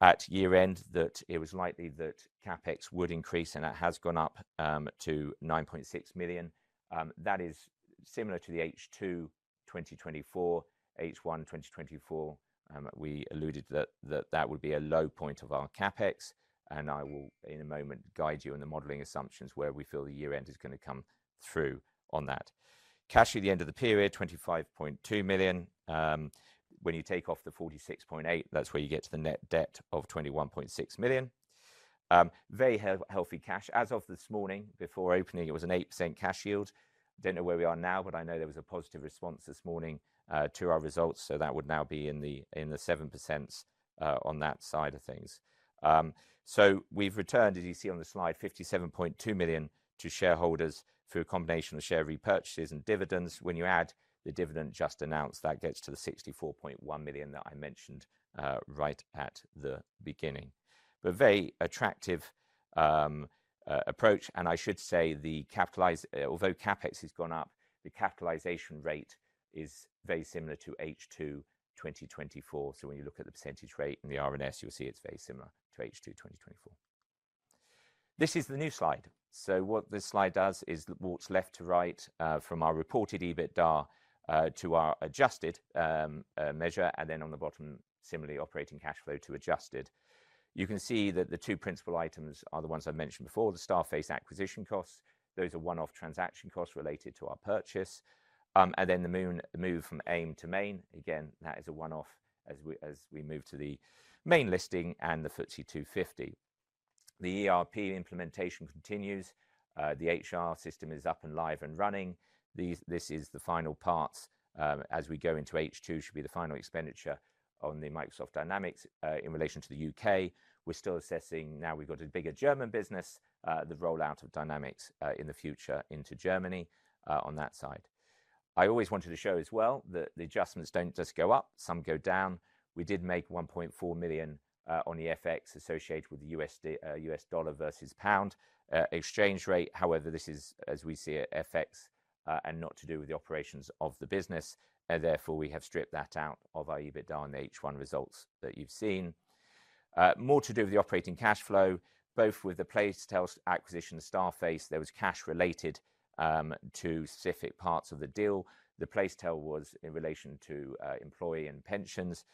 S2: at year end that it was likely that CapEx would increase, and it has gone up to 9.6 million. That is similar to the H2 2024, H1 2024. We alluded that would be a low point of our CapEx. And I will, in a moment, guide you in the modeling assumptions where we feel the year end is going to come through on that. Cash at the end of the period, 25.2 million. When you take off the 46.8, that's where you get to the net debt of 21.6 million. Very healthy cash. As of this morning, before opening, it was an 8% cash yield. I don't know where we are now, but I know there was a positive response this morning to our results. So that would now be in the, in the 7%s, on that side of things. So we've returned, as you see on the slide, 57.2 million to shareholders through a combination of share repurchases and dividends. When you add the dividend just announced, that gets to the 64.1 million that I mentioned, right at the beginning. But very attractive approach. And I should say the capitalized, although CapEx has gone up, the capitalization rate is very similar to H2 2024. So when you look at the percentage rate in the RNS, you'll see it's very similar to H2 2024. This is the new slide. So what this slide does is what's left to right, from our reported EBITDA to our adjusted measure. And then on the bottom, similarly, operating cash flow to adjusted. You can see that the two principal items are the ones I mentioned before, the Starface acquisition costs. Those are one-off transaction costs related to our purchase, and then the main move from AIM to Main. Again, that is a one-off as we move to the main listing and the FTSE 250. The ERP implementation continues. The HR system is up and live and running. This is the final parts, as we go into H2 should be the final expenditure on the Microsoft Dynamics, in relation to the UK. We're still assessing now we've got a bigger German business, the rollout of Dynamics, in the future into Germany, on that side. I always wanted to show as well that the adjustments don't just go up, some go down. We did make £1.4 million on the FX associated with the USD, US dollar versus pound, exchange rate. However, this is, as we see it, FX, and not to do with the operations of the business. Therefore we have stripped that out of our EBITDA and the H1 results that you've seen. More to do with the operating cash flow, both with the Placetel acquisition, Starface, there was cash related to specific parts of the deal. The Placetel was in relation to employee and pensions.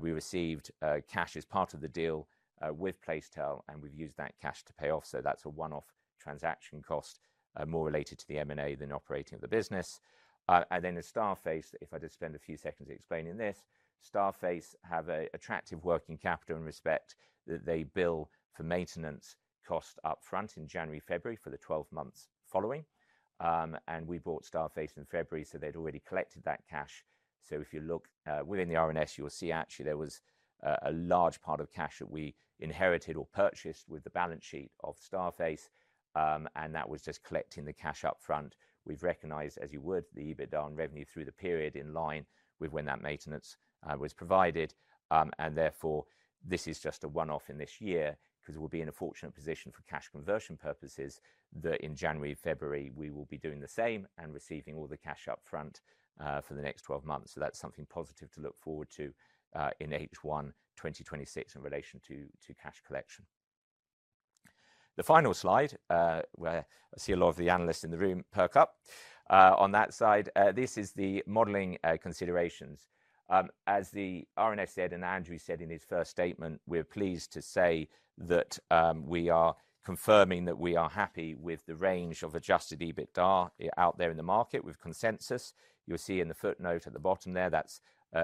S2: We received cash as part of the deal with Placetel, and we've used that cash to pay off. So that's a one-off transaction cost, more related to the M&A than operating of the business. And then at Starface, if I just spend a few seconds explaining this, Starface have an attractive working capital and respect that they bill for maintenance cost upfront in January, February for the 12 months following. And we bought Starface in February, so they'd already collected that cash. So if you look, within the RNS, you'll see actually there was a large part of cash that we inherited or purchased with the balance sheet of Starface. And that was just collecting the cash upfront. We've recognized, as you would, the EBITDA and revenue through the period in line with when that maintenance was provided. Therefore, this is just a one-off in this year because we'll be in a fortunate position for cash conversion purposes that in January, February, we will be doing the same and receiving all the cash upfront for the next 12 months. So that's something positive to look forward to in H1 2026 in relation to cash collection. The final slide, where I see a lot of the analysts in the room perk up on that side, this is the modeling considerations. As the RNS said and Andrew said in his first statement, we're pleased to say that we are confirming that we are happy with the range of adjusted EBITDA out there in the market with consensus. You'll see in the footnote at the bottom there that's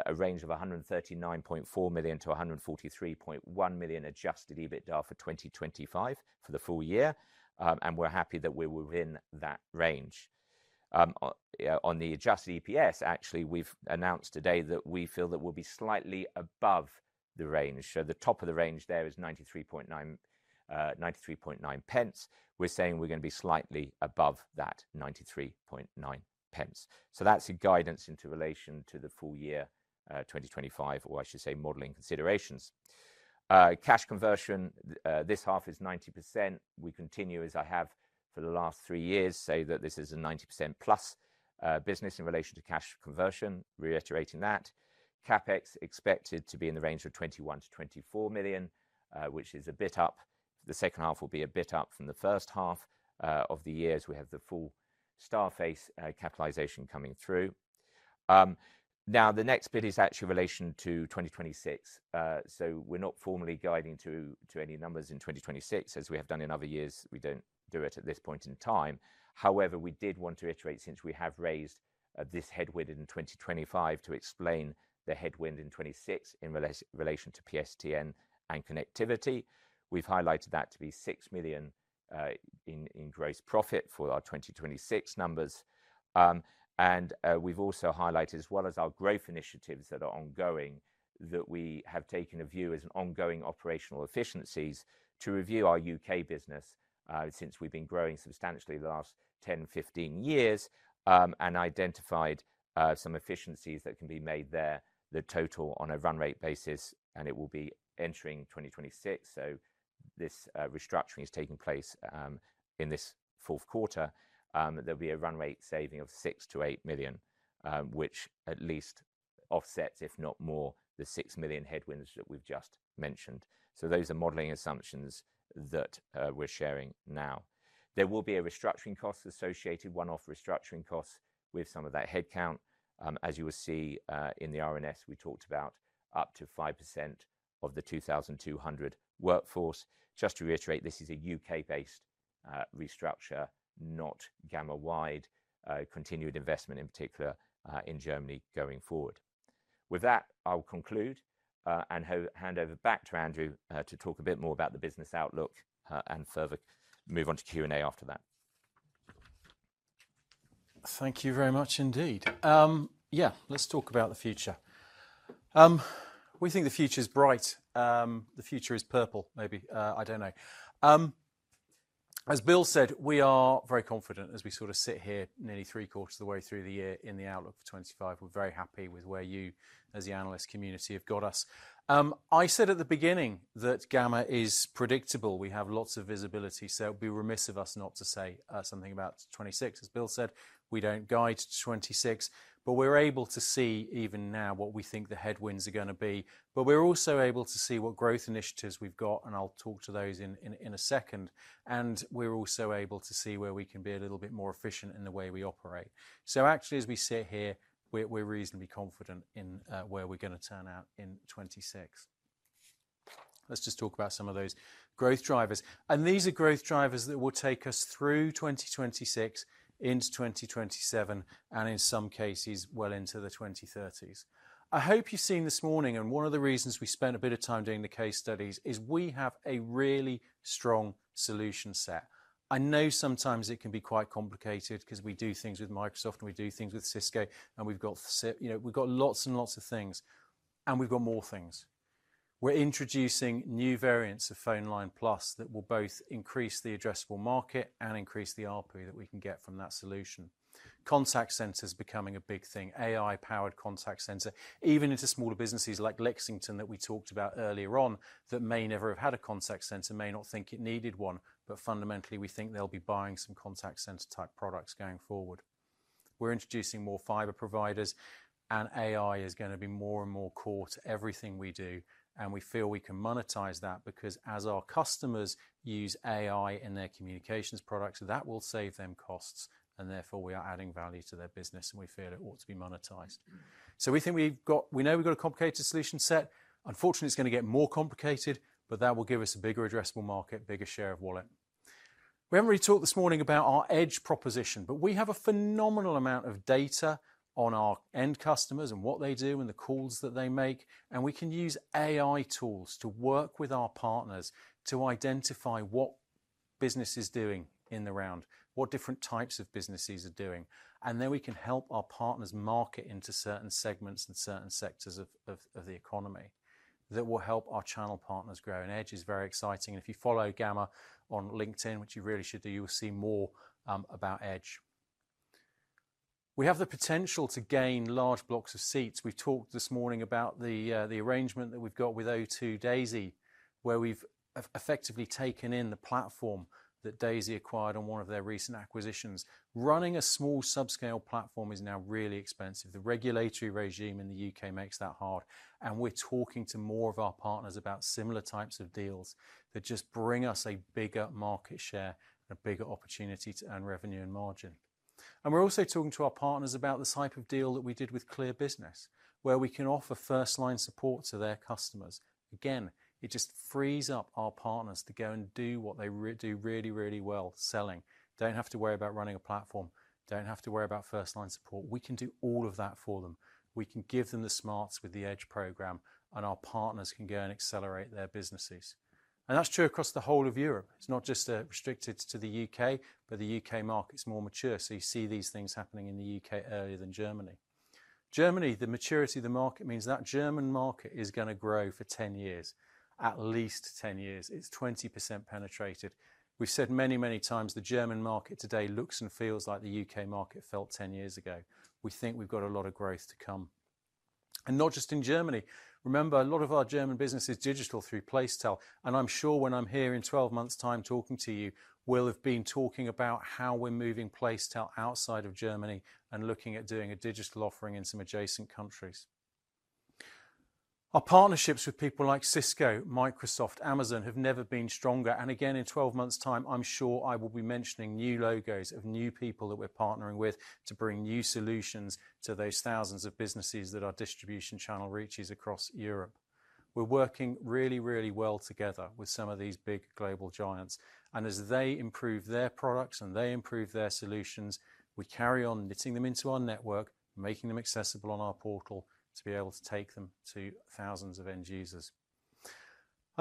S2: a range of 139.4 million-143.1 million adjusted EBITDA for 2025 for the full year. And we're happy that we were within that range. On the adjusted EPS, actually, we've announced today that we feel that we'll be slightly above the range. So the top of the range there is 93.9, 93.9 pence. We're saying we're going to be slightly above that 93.9 pence. So that's a guidance in relation to the full year, 2025, or I should say modeling considerations. Cash conversion, this half is 90%. We continue, as I have for the last three years, say that this is a 90% plus, business in relation to cash conversion. Reiterating that, CapEx expected to be in the range of 21-24 million, which is a bit up. The second half will be a bit up from the first half, of the year as we have the full Starface, capitalization coming through. Now the next bit is actually in relation to 2026. So we're not formally guiding to any numbers in 2026. As we have done in other years, we don't do it at this point in time. However, we did want to iterate since we have raised this headwind in 2025 to explain the headwind in 2026 in relation to PSTN and connectivity. We've highlighted that to be 6 million in gross profit for our 2026 numbers. And we've also highlighted, as well as our growth initiatives that are ongoing, that we have taken a view as an ongoing operational efficiencies to review our U.K. business, since we've been growing substantially the last 10, 15 years, and identified some efficiencies that can be made there, the total on a run rate basis, and it will be entering 2026. So this restructuring is taking place in this fourth quarter. There'll be a run rate saving of 6 million-8 million, which at least offsets, if not more, the 6 million headwinds that we've just mentioned, so those are modeling assumptions that we're sharing now. There will be a restructuring cost associated, one-off restructuring costs with some of that headcount. As you will see, in the RNS, we talked about up to 5% of the 2,200 workforce. Just to reiterate, this is a UK-based restructuring, not Gamma-wide, continued investment in particular, in Germany going forward. With that, I'll conclude and hand over back to Andrew to talk a bit more about the business outlook and further move on to Q&A after that.
S1: Thank you very much indeed. Yeah, let's talk about the future. We think the future is bright. The future is purple, maybe. I don't know. As Bill said, we are very confident as we sort of sit here nearly three quarters of the way through the year in the outlook for 2025. We're very happy with where you, as the analyst community, have got us. I said at the beginning that Gamma is predictable. We have lots of visibility. So it would be remiss of us not to say something about 2026. As Bill said, we don't guide to 2026, but we're able to see even now what we think the headwinds are going to be. But we're also able to see what growth initiatives we've got, and I'll talk to those in a second, and we're also able to see where we can be a little bit more efficient in the way we operate. Actually, as we sit here, we're reasonably confident in where we're going to turn out in 2026. Let's just talk about some of those growth drivers. These are growth drivers that will take us through 2026 into 2027 and in some cases well into the 2030s. I hope you've seen this morning, and one of the reasons we spent a bit of time doing the case studies is we have a really strong solution set. I know sometimes it can be quite complicated because we do things with Microsoft and we do things with Cisco, and we've got, you know, we've got lots and lots of things, and we've got more things. We're introducing new variants of PhoneLine+ that will both increase the addressable market and increase the ARPU that we can get from that solution. Contact centers becoming a big thing, AI-powered contact center, even into smaller businesses like Lexington that we talked about earlier on that may never have had a contact center, may not think it needed one, but fundamentally we think they'll be buying some contact center type products going forward. We're introducing more fiber providers, and AI is going to be more and more core to everything we do, and we feel we can monetize that because as our customers use AI in their communications products, that will save them costs, and therefore we are adding value to their business, and we feel it ought to be monetized. So we think we've got, we know we've got a complicated solution set. Unfortunately, it's going to get more complicated, but that will give us a bigger addressable market, bigger share of wallet. We haven't really talked this morning about our Edge proposition, but we have a phenomenal amount of data on our end customers and what they do and the calls that they make, and we can use AI tools to work with our partners to identify what business is doing in the round, what different types of businesses are doing, and then we can help our partners market into certain segments and certain sectors of the economy that will help our channel partners grow, and Edge is very exciting, and if you follow Gamma on LinkedIn, which you really should do, you will see more about Edge. We have the potential to gain large blocks of seats. We've talked this morning about the arrangement that we've got with O2, Daisy, where we've effectively taken in the platform that Daisy acquired on one of their recent acquisitions. Running a small subscale platform is now really expensive. The regulatory regime in the U.K. makes that hard, and we're talking to more of our partners about similar types of deals that just bring us a bigger market share and a bigger opportunity to earn revenue and margin, and we're also talking to our partners about this type of deal that we did with Clear Business, where we can offer first-line support to their customers. Again, it just frees up our partners to go and do what they do really, really well selling. Don't have to worry about running a platform. Don't have to worry about first-line support. We can do all of that for them. We can give them the smarts with the Edge program, and our partners can go and accelerate their businesses, and that's true across the whole of Europe. It's not just restricted to the UK, but the UK market's more mature. So you see these things happening in the UK earlier than Germany. Germany, the maturity of the market means that German market is going to grow for 10 years, at least 10 years. It's 20% penetrated. We've said many, many times the German market today looks and feels like the UK market felt 10 years ago. We think we've got a lot of growth to come. And not just in Germany. Remember, a lot of our German business is digital through Placetel. And I'm sure when I'm here in 12 months' time talking to you, we'll have been talking about how we're moving Placetel outside of Germany and looking at doing a digital offering in some adjacent countries. Our partnerships with people like Cisco, Microsoft, Amazon have never been stronger. Again, in 12 months' time, I'm sure I will be mentioning new logos of new people that we're partnering with to bring new solutions to those thousands of businesses that our distribution channel reaches across Europe. We're working really, really well together with some of these big global giants. And as they improve their products and they improve their solutions, we carry on knitting them into our network, making them accessible on our portal to be able to take them to thousands of end users.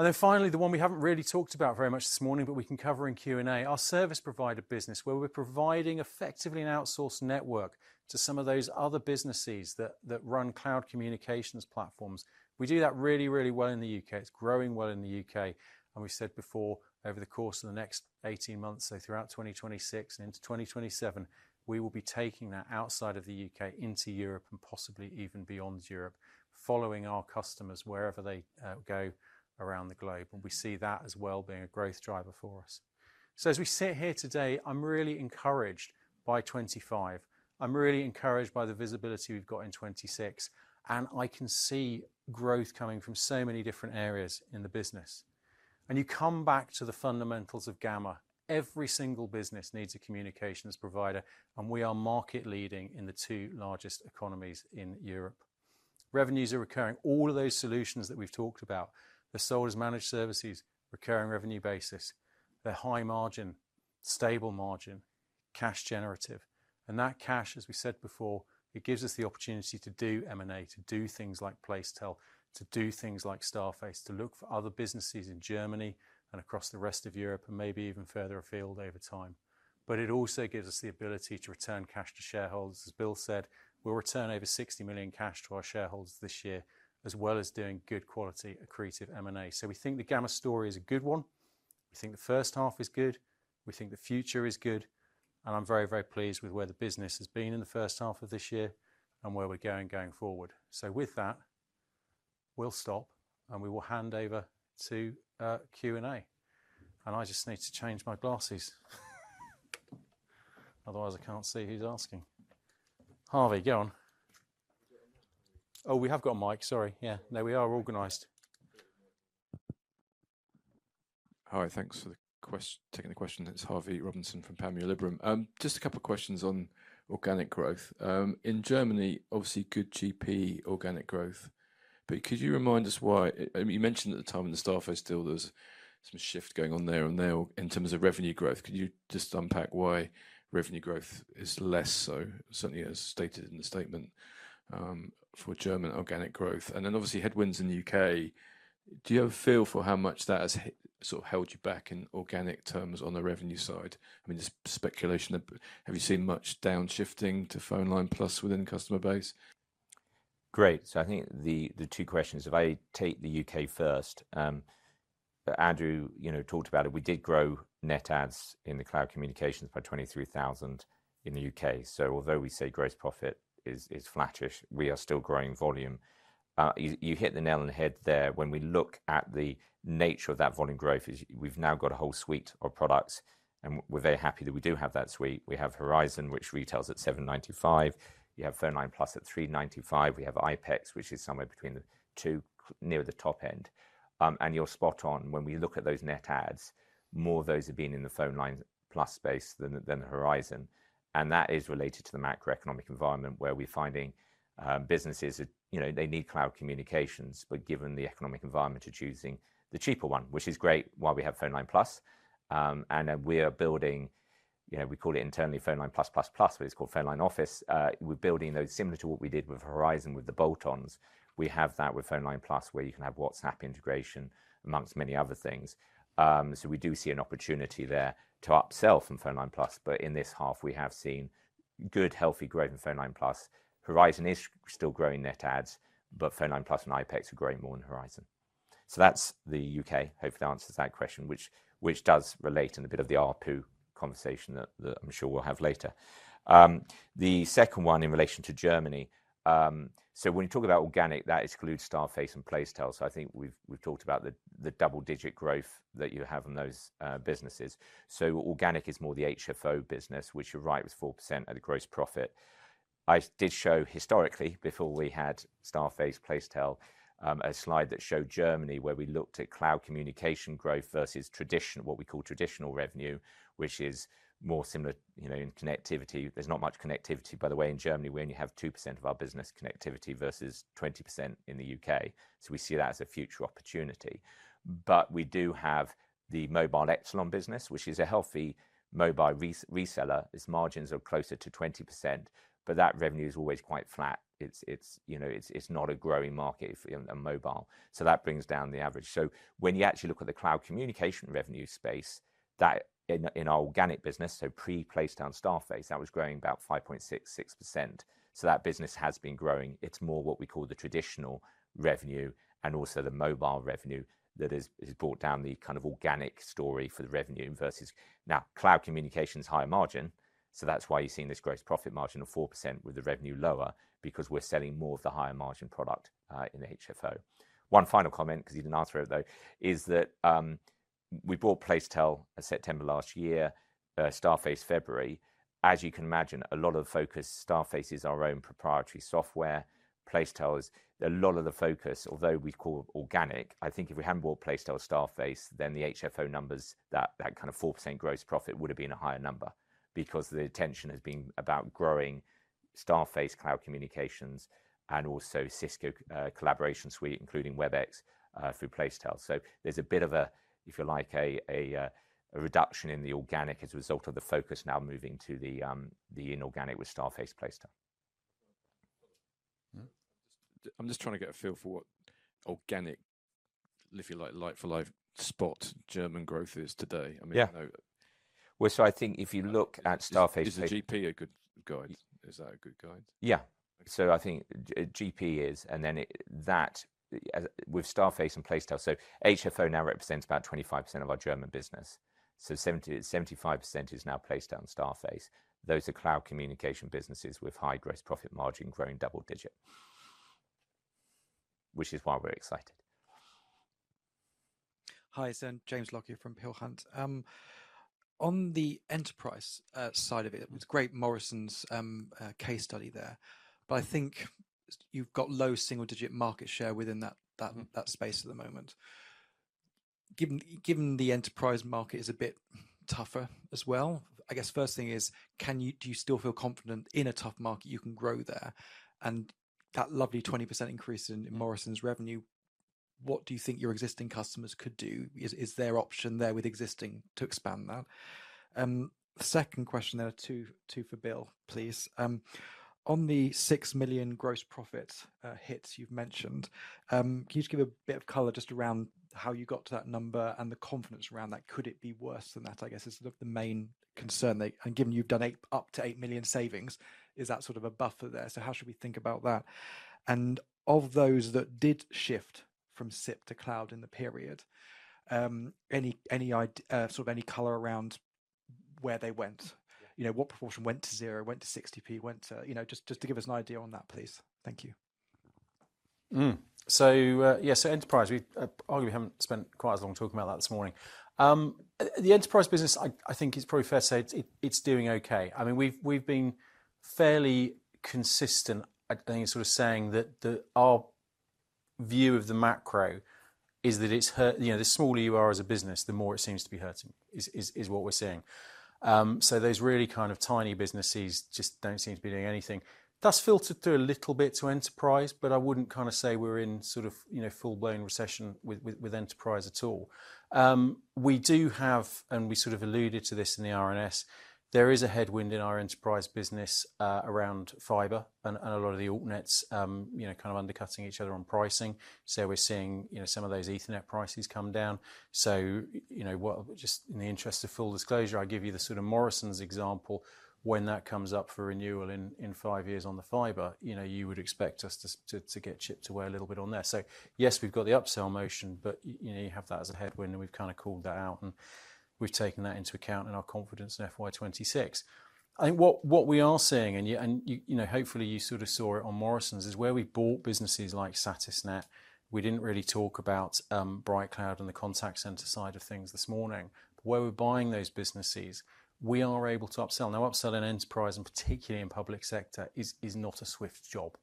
S1: Then finally, the one we haven't really talked about very much this morning, but we can cover in Q&A, our service provider business, where we're providing effectively an outsourced network to some of those other businesses that run cloud communications platforms. We do that really, really well in the UK. It's growing well in the UK. We've said before, over the course of the next 18 months, so throughout 2026 and into 2027, we will be taking that outside of the UK into Europe and possibly even beyond Europe, following our customers wherever they go around the globe. We see that as well being a growth driver for us. As we sit here today, I'm really encouraged by 2025. I'm really encouraged by the visibility we've got in 2026. I can see growth coming from so many different areas in the business. You come back to the fundamentals of Gamma. Every single business needs a communications provider, and we are market leading in the two largest economies in Europe. Revenues are recurring. All of those solutions that we've talked about, the sold as managed services, recurring revenue basis, the high margin, stable margin, cash generative. And that cash, as we said before, it gives us the opportunity to do M&A, to do things like Placetel, to do things like Starface, to look for other businesses in Germany and across the rest of Europe and maybe even further afield over time. But it also gives us the ability to return cash to shareholders. As Bill said, we'll return over 60 million cash to our shareholders this year, as well as doing good quality accretive M&A. So we think the Gamma story is a good one. We think the first half is good. We think the future is good. And I'm very, very pleased with where the business has been in the first half of this year and where we're going forward. So with that, we'll stop and we will hand over to Q&A. And I just need to change my glasses. Otherwise, I can't see who's asking. Harvey, go on. Oh, we have got a mic. Sorry. Yeah. No, we are organized.
S3: Hi. Thanks for the question. Taking the question. It's Harvey Robinson from Panmure Liberum. Just a couple of questions on organic growth. In Germany, obviously good GP, organic growth. But could you remind us why? You mentioned at the time in the Starface deal, there's some shift going on there and there in terms of revenue growth. Could you just unpack why revenue growth is less? So certainly, as stated in the statement, for German organic growth. And then obviously headwinds in the UK. Do you have a feel for how much that has sort of held you back in organic terms on the revenue side? I mean, just speculation. Have you seen much downshifting to PhoneLine+ within the customer base?
S2: Great. So, I think the two questions, if I take the UK first, Andrew, you know, talked about it. We did grow net adds in the cloud communications by 23,000 in the UK. So although we say gross profit is flattish, we are still growing volume. You hit the nail on the head there. When we look at the nature of that volume growth, we've now got a whole suite of products, and we're very happy that we do have that suite. We have Horizon, which retails at 795. You have PhoneLine+ at 395. We have iPECS, which is somewhere between the two near the top end. And you're spot on. When we look at those net adds, more of those have been in the PhoneLine+ space than the Horizon. That is related to the macroeconomic environment where we're finding businesses that, you know, they need cloud communications, but given the economic environment, they're choosing the cheaper one, which is great while we have PhoneLine+. And then we are building, you know, we call it internally PhoneLine+, Plus, Plus, but it's called PhoneLine Office. We're building those similar to what we did with Horizon with the bolt-ons. We have that with PhoneLine+ where you can have WhatsApp integration among many other things. So we do see an opportunity there to upsell from PhoneLine+, but in this half, we have seen good, healthy growth in PhoneLine+. Horizon is still growing net adds, but PhoneLine+ and iPECS are growing more than Horizon. That's the UK. Hopefully, that answers that question, which does relate in a bit of the ARPU conversation that I'm sure we'll have later. The second one in relation to Germany, so when you talk about organic, that excludes Starface and Placetel. So I think we've talked about the double-digit growth that you have in those businesses. So organic is more the HFO business, which you're right, was 4% of the gross profit. I did show historically before we had Starface, Placetel, a slide that showed Germany where we looked at cloud communication growth versus traditional, what we call traditional revenue, which is more similar, you know, in connectivity. There's not much connectivity, by the way, in Germany. We only have 2% of our business connectivity versus 20% in the UK. So we see that as a future opportunity. But we do have the mobile Epsilon business, which is a healthy mobile reseller. Its margins are closer to 20%, but that revenue is always quite flat. It's, you know, it's not a growing market for a mobile. So that brings down the average. So when you actually look at the cloud communication revenue space, that in our organic business, so pre-Placetel and Starface, that was growing about 5.66%. So that business has been growing. It's more what we call the traditional revenue and also the mobile revenue that has brought down the kind of organic story for the revenue versus now cloud communication is higher margin. So that's why you're seeing this gross profit margin of 4% with the revenue lower because we're selling more of the higher margin product, in the HFO. One final comment, because you didn't answer it though, is that we bought Placetel in September last year, Starface February. As you can imagine, a lot of focus Starface is our own proprietary software. Placetel is a lot of the focus, although we call it organic. I think if we hadn't bought Placetel Starface, then the HFO numbers, that kind of 4% gross profit would have been a higher number because the attention has been about growing Starface cloud communications and also Cisco collaboration suite, including Webex, through Placetel. So there's a bit of a, if you like, a reduction in the organic as a result of the focus now moving to the inorganic with Starface Placetel.
S3: I'm just trying to get a feel for what organic, if you like, like-for-like spot German growth is today. I mean, I know.
S2: Yeah. I think if you look at Starface.
S3: Is GP a good guide? Is that a good guide?
S2: Yeah. I think GP is, and then that with Starface and Placetel, so HFO now represents about 25% of our German business. So 70-75% is now Placetel and Starface. Those are cloud communication businesses with high gross profit margin growing double digit, which is why we're excited.
S4: Hi, it's James Lockyer from Peel Hunt. On the enterprise side of it, it was great Morrisons case study there, but I think you've got low single-digit market share within that space at the moment. Given the enterprise market is a bit tougher as well. I guess first thing is, do you still feel confident in a tough market you can grow there? And that lovely 20% increase in Morrisons revenue, what do you think your existing customers could do? Is there option there with existing to expand that? Second question there, two for Bill, please. On the six million gross profit hits you've mentioned, can you just give a bit of color just around how you got to that number and the confidence around that? Could it be worse than that? I guess it's sort of the main concern that, and given you've done eight up to eight million savings, is that sort of a buffer there? So how should we think about that? And of those that did shift from SIP to cloud in the period, any idea, sort of any color around where they went? You know, what proportion went to zero, went to 60p, went to, you know, just to give us an idea on that, please. Thank you.
S1: So, yeah, so enterprise, we arguably haven't spent quite as long talking about that this morning. The enterprise business, I think it's probably fair to say it's doing okay. I mean, we've been fairly consistent at, I think it's sort of saying that the, our view of the macro is that it's hurt, you know, the smaller you are as a business, the more it seems to be hurting is what we're seeing. So those really kind of tiny businesses just don't seem to be doing anything. That's filtered through a little bit to enterprise, but I wouldn't kind of say we're in sort of, you know, full-blown recession with enterprise at all. We do have, and we sort of alluded to this in the RNS, there is a headwind in our enterprise business, around fiber and a lot of the AltNets, you know, kind of undercutting each other on pricing. So we're seeing, you know, some of those ethernet prices come down. So, you know, what just in the interest of full disclosure, I give you the sort of Morrison's example when that comes up for renewal in five years on the fiber, you know, you would expect us to get chipped away a little bit on there. So yes, we've got the upsell motion, but you know, you have that as a headwind and we've kind of called that out and we've taken that into account in our confidence in FY26. I think what we are seeing, and you know, hopefully you sort of saw it on Morrisons is where we bought businesses like Satisnet. We didn't really talk about BrightCloud and the contact center side of things this morning. Where we're buying those businesses, we are able to upsell. Now, upselling enterprise, and particularly in public sector, is not a swift job.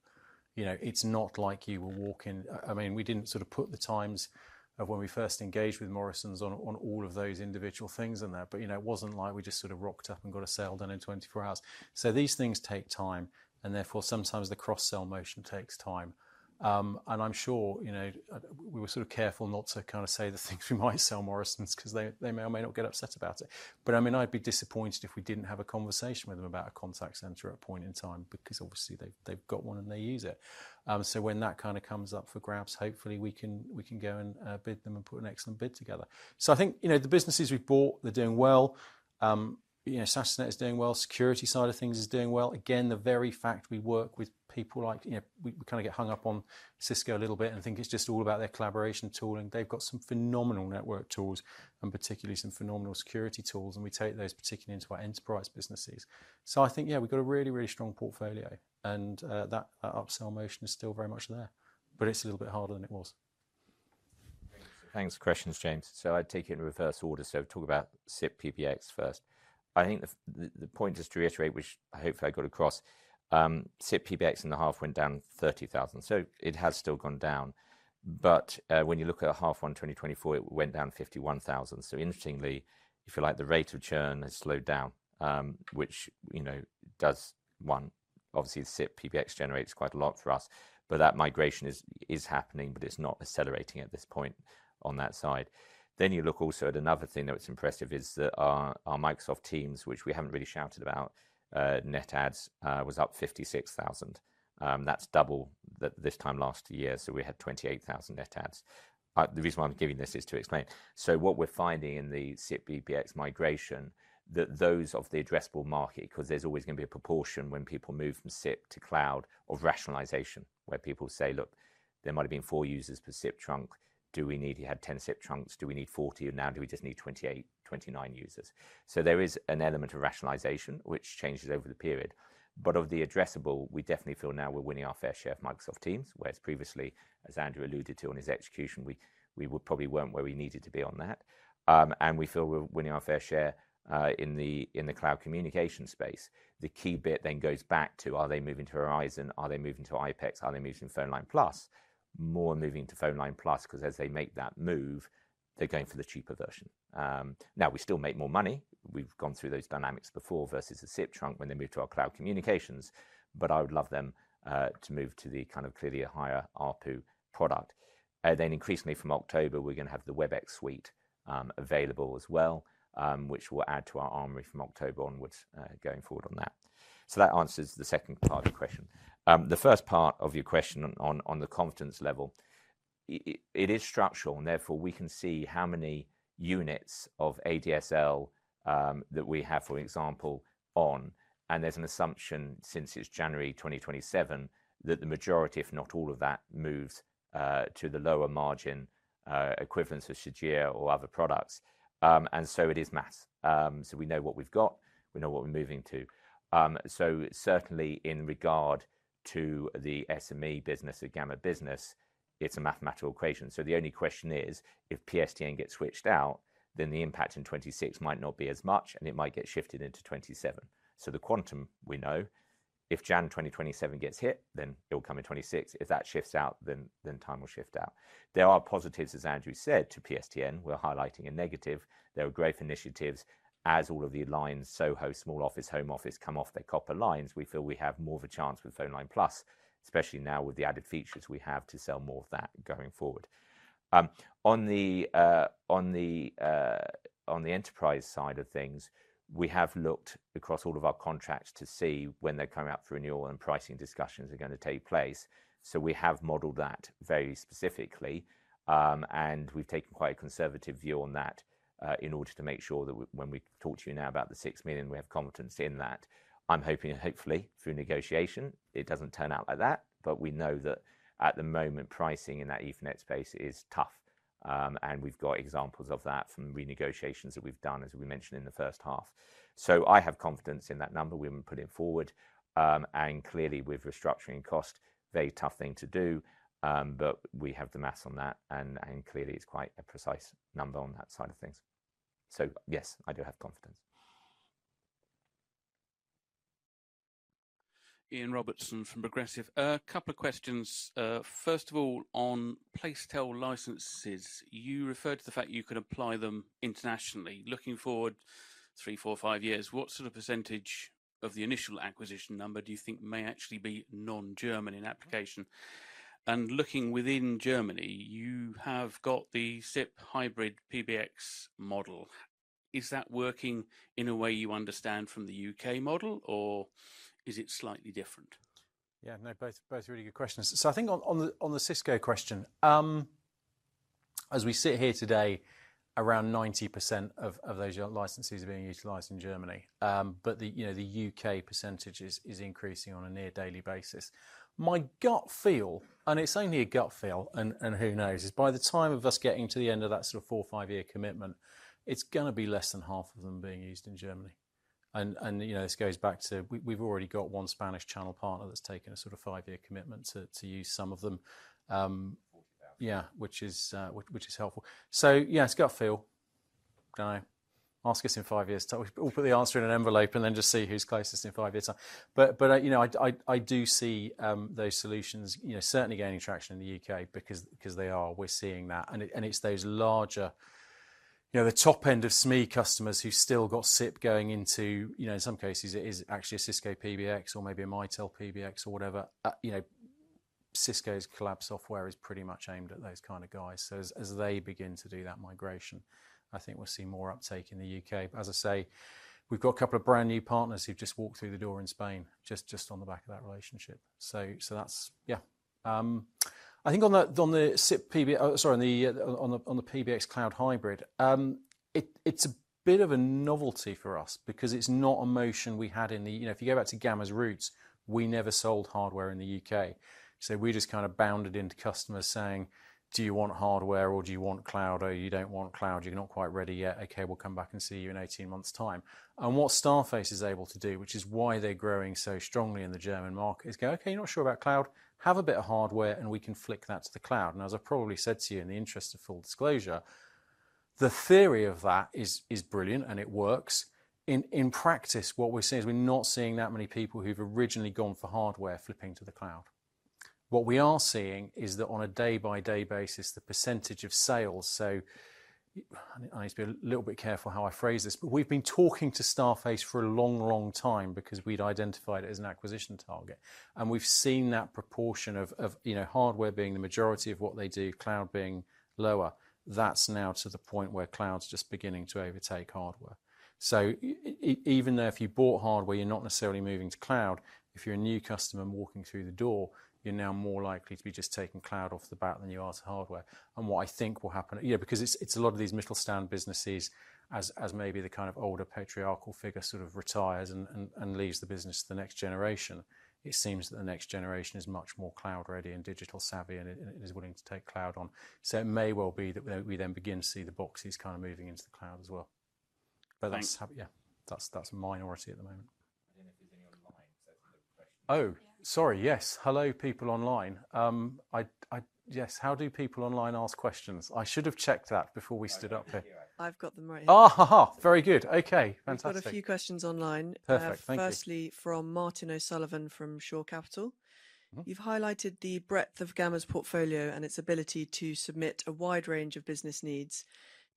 S1: You know, it's not like you were walking. I mean, we didn't sort of put the times of when we first engaged with Morrisons on all of those individual things in there, but you know, it wasn't like we just sort of rocked up and got a sale done in 24 hours. So these things take time and therefore sometimes the cross-sell motion takes time. And I'm sure, you know, we were sort of careful not to kind of say the things we might sell Morrisons because they, they may or may not get upset about it. But I mean, I'd be disappointed if we didn't have a conversation with them about a contact center at a point in time because obviously they've, they've got one and they use it. So when that kind of comes up for grabs, hopefully we can, we can go and, bid them and put an excellent bid together. So I think, you know, the businesses we've bought, they're doing well. You know, Satisnet is doing well. Security side of things is doing well. Again, the very fact we work with people like, you know, we, we kind of get hung up on Cisco a little bit and think it's just all about their collaboration tooling. They've got some phenomenal network tools and particularly some phenomenal security tools. And we take those particularly into our enterprise businesses. So I think, yeah, we've got a really, really strong portfolio and that upsell motion is still very much there, but it's a little bit harder than it was.
S2: Thanks for questions, James. So I'd take it in reverse order. So talk about SIP PBX first. I think the point is to reiterate, which I hopefully got across. SIP PBX in the half went down 30,000. So it has still gone down, but when you look at the half one, 2024, it went down 51,000. So interestingly, if you like, the rate of churn has slowed down, which, you know, does one, obviously SIP PBX generates quite a lot for us, but that migration is happening, but it's not accelerating at this point on that side. Then you look also at another thing that was impressive is that our Microsoft Teams, which we haven't really shouted about, net adds, was up 56,000. That's double that this time last year. So we had 28,000 net adds. The reason why I'm giving this is to explain. So what we're finding in the SIP PBX migration, that those of the addressable market, because there's always going to be a proportion when people move from SIP to cloud of rationalization, where people say, look, there might have been four users per SIP trunk. Do we need, you had 10 SIP trunks? Do we need 40? Now do we just need 28, 29 users? There is an element of rationalization, which changes over the period. But of the addressable, we definitely feel now we're winning our fair share of Microsoft Teams, whereas previously, as Andrew alluded to in his execution, we probably weren't where we needed to be on that. And we feel we're winning our fair share in the cloud communication space. The key bit then goes back to, are they moving to Horizon? Are they moving to iPECS? Are they moving to PhoneLine+? More moving to PhoneLine+, because as they make that move, they're going for the cheaper version. Now we still make more money. We've gone through those dynamics before versus the SIP trunk when they move to our cloud communications, but I would love them to move to the kind of clearly a higher ARPU product, and then increasingly from October, we're going to have the Webex suite available as well, which will add to our armory from October onwards, going forward on that, so that answers the second part of the question. The first part of your question on the confidence level, it is structural and therefore we can see how many units of ADSL that we have, for example, and there's an assumption since it's January 2027 that the majority, if not all of that moves to the lower margin equivalence of SoGEA or other products, and so it is math, so we know what we've got, we know what we're moving to. Certainly, in regard to the SME business, the Gamma business, it's a mathematical equation. The only question is if PSTN gets switched out, then the impact in 2026 might not be as much and it might get shifted into 2027. The quantum we know, if January 2027 gets hit, then it'll come in 2026. If that shifts out, then time will shift out. There are positives, as Andrew said, to PSTN. We're highlighting a negative. There are growth initiatives as all of the lines, SoHo, small office, home office come off their copper lines. We feel we have more of a chance with PhoneLine+, especially now with the added features we have to sell more of that going forward. On the enterprise side of things, we have looked across all of our contracts to see when they're coming out for renewal and pricing discussions are going to take place. We have modeled that very specifically. We've taken quite a conservative view on that, in order to make sure that when we talk to you now about the 6 million, we have confidence in that. I'm hoping, hopefully through negotiation, it doesn't turn out like that, but we know that at the moment pricing in that Ethernet space is tough. We've got examples of that from renegotiations that we've done, as we mentioned in the first half. I have confidence in that number we've been putting forward. Clearly with restructuring cost, very tough thing to do. but we have the math on that and clearly it's quite a precise number on that side of things. So yes, I do have confidence.
S5: Ian Robertson from Progressive. A couple of questions. First of all, on Placetel licenses, you referred to the fact you can apply them internationally, looking forward three, four, five years. What sort of percentage of the initial acquisition number do you think may actually be non-German in application? And looking within Germany, you have got the SIP hybrid PBX model. Is that working in a way you understand from the UK model or is it slightly different?
S1: Yeah, no, both really good questions. So I think on the Cisco question, as we sit here today, around 90% of those licenses are being utilized in Germany. But the, you know, the UK percentage is increasing on a near daily basis. My gut feel, and it's only a gut feel, and who knows, is by the time of us getting to the end of that sort of four, five-year commitment, it's going to be less than half of them being used in Germany. And you know, this goes back to, we've already got one Spanish channel partner that's taken a sort of five-year commitment to use some of them. Yeah, which is helpful. So yeah, it's gut feel. Don't know. Ask us in five years. We'll put the answer in an envelope and then just see who's closest in five years. But I, you know, I do see those solutions, you know, certainly gaining traction in the U.K. because they are, we're seeing that. It's those larger, you know, the top end of SME customers who still got SIP going into, you know, in some cases it is actually a Cisco PBX or maybe a Mitel PBX or whatever. You know, Cisco's collab software is pretty much aimed at those kind of guys. So as they begin to do that migration, I think we'll see more uptake in the UK. As I say, we've got a couple of brand new partners who've just walked through the door in Spain, just on the back of that relationship. So that's yeah. I think on the SIP PBX, sorry, on the PBX cloud hybrid, it's a bit of a novelty for us because it's not a notion we had in the, you know, if you go back to Gamma's roots, we never sold hardware in the UK. So we just kind of bounced into customers saying, do you want hardware or do you want cloud or you don't want cloud, you're not quite ready yet. Okay, we'll come back and see you in 18 months' time. What Starface is able to do, which is why they're growing so strongly in the German market, is go, okay, you're not sure about cloud, have a bit of hardware and we can flick that to the cloud. And as I probably said to you in the interest of full disclosure, the theory of that is brilliant and it works. In practice, what we're seeing is we're not seeing that many people who've originally gone for hardware flipping to the cloud. What we are seeing is that on a day-by-day basis, the percentage of sales, so I need to be a little bit careful how I phrase this, but we've been talking to Starface for a long, long time because we'd identified it as an acquisition target. And we've seen that proportion of, you know, hardware being the majority of what they do, cloud being lower. That's now to the point where cloud's just beginning to overtake hardware. So even though if you bought hardware, you're not necessarily moving to cloud, if you're a new customer walking through the door, you're now more likely to be just taking cloud off the bat than you are to hardware. And what I think will happen, you know, because it's a lot of these mid-sized businesses as maybe the kind of older patriarchal figure sort of retires and leaves the business to the next generation, it seems that the next generation is much more cloud ready and digital savvy and it is willing to take cloud on. So it may well be that we then begin to see the boxes kind of moving into the cloud as well. But that's a minority at the moment. I don't know if there's any online. Oh, sorry. Yes. Hello, people online. I yes. How do people online ask questions? I should have checked that before we stood up here.
S6: I've got them right here. Very good. Okay. Fantastic. We've got a few questions online. Perfect. Thank you. Firstly from Martin O'Sullivan from Shore Capital. You've highlighted the breadth of Gamma's portfolio and its ability to satisfy a wide range of business needs.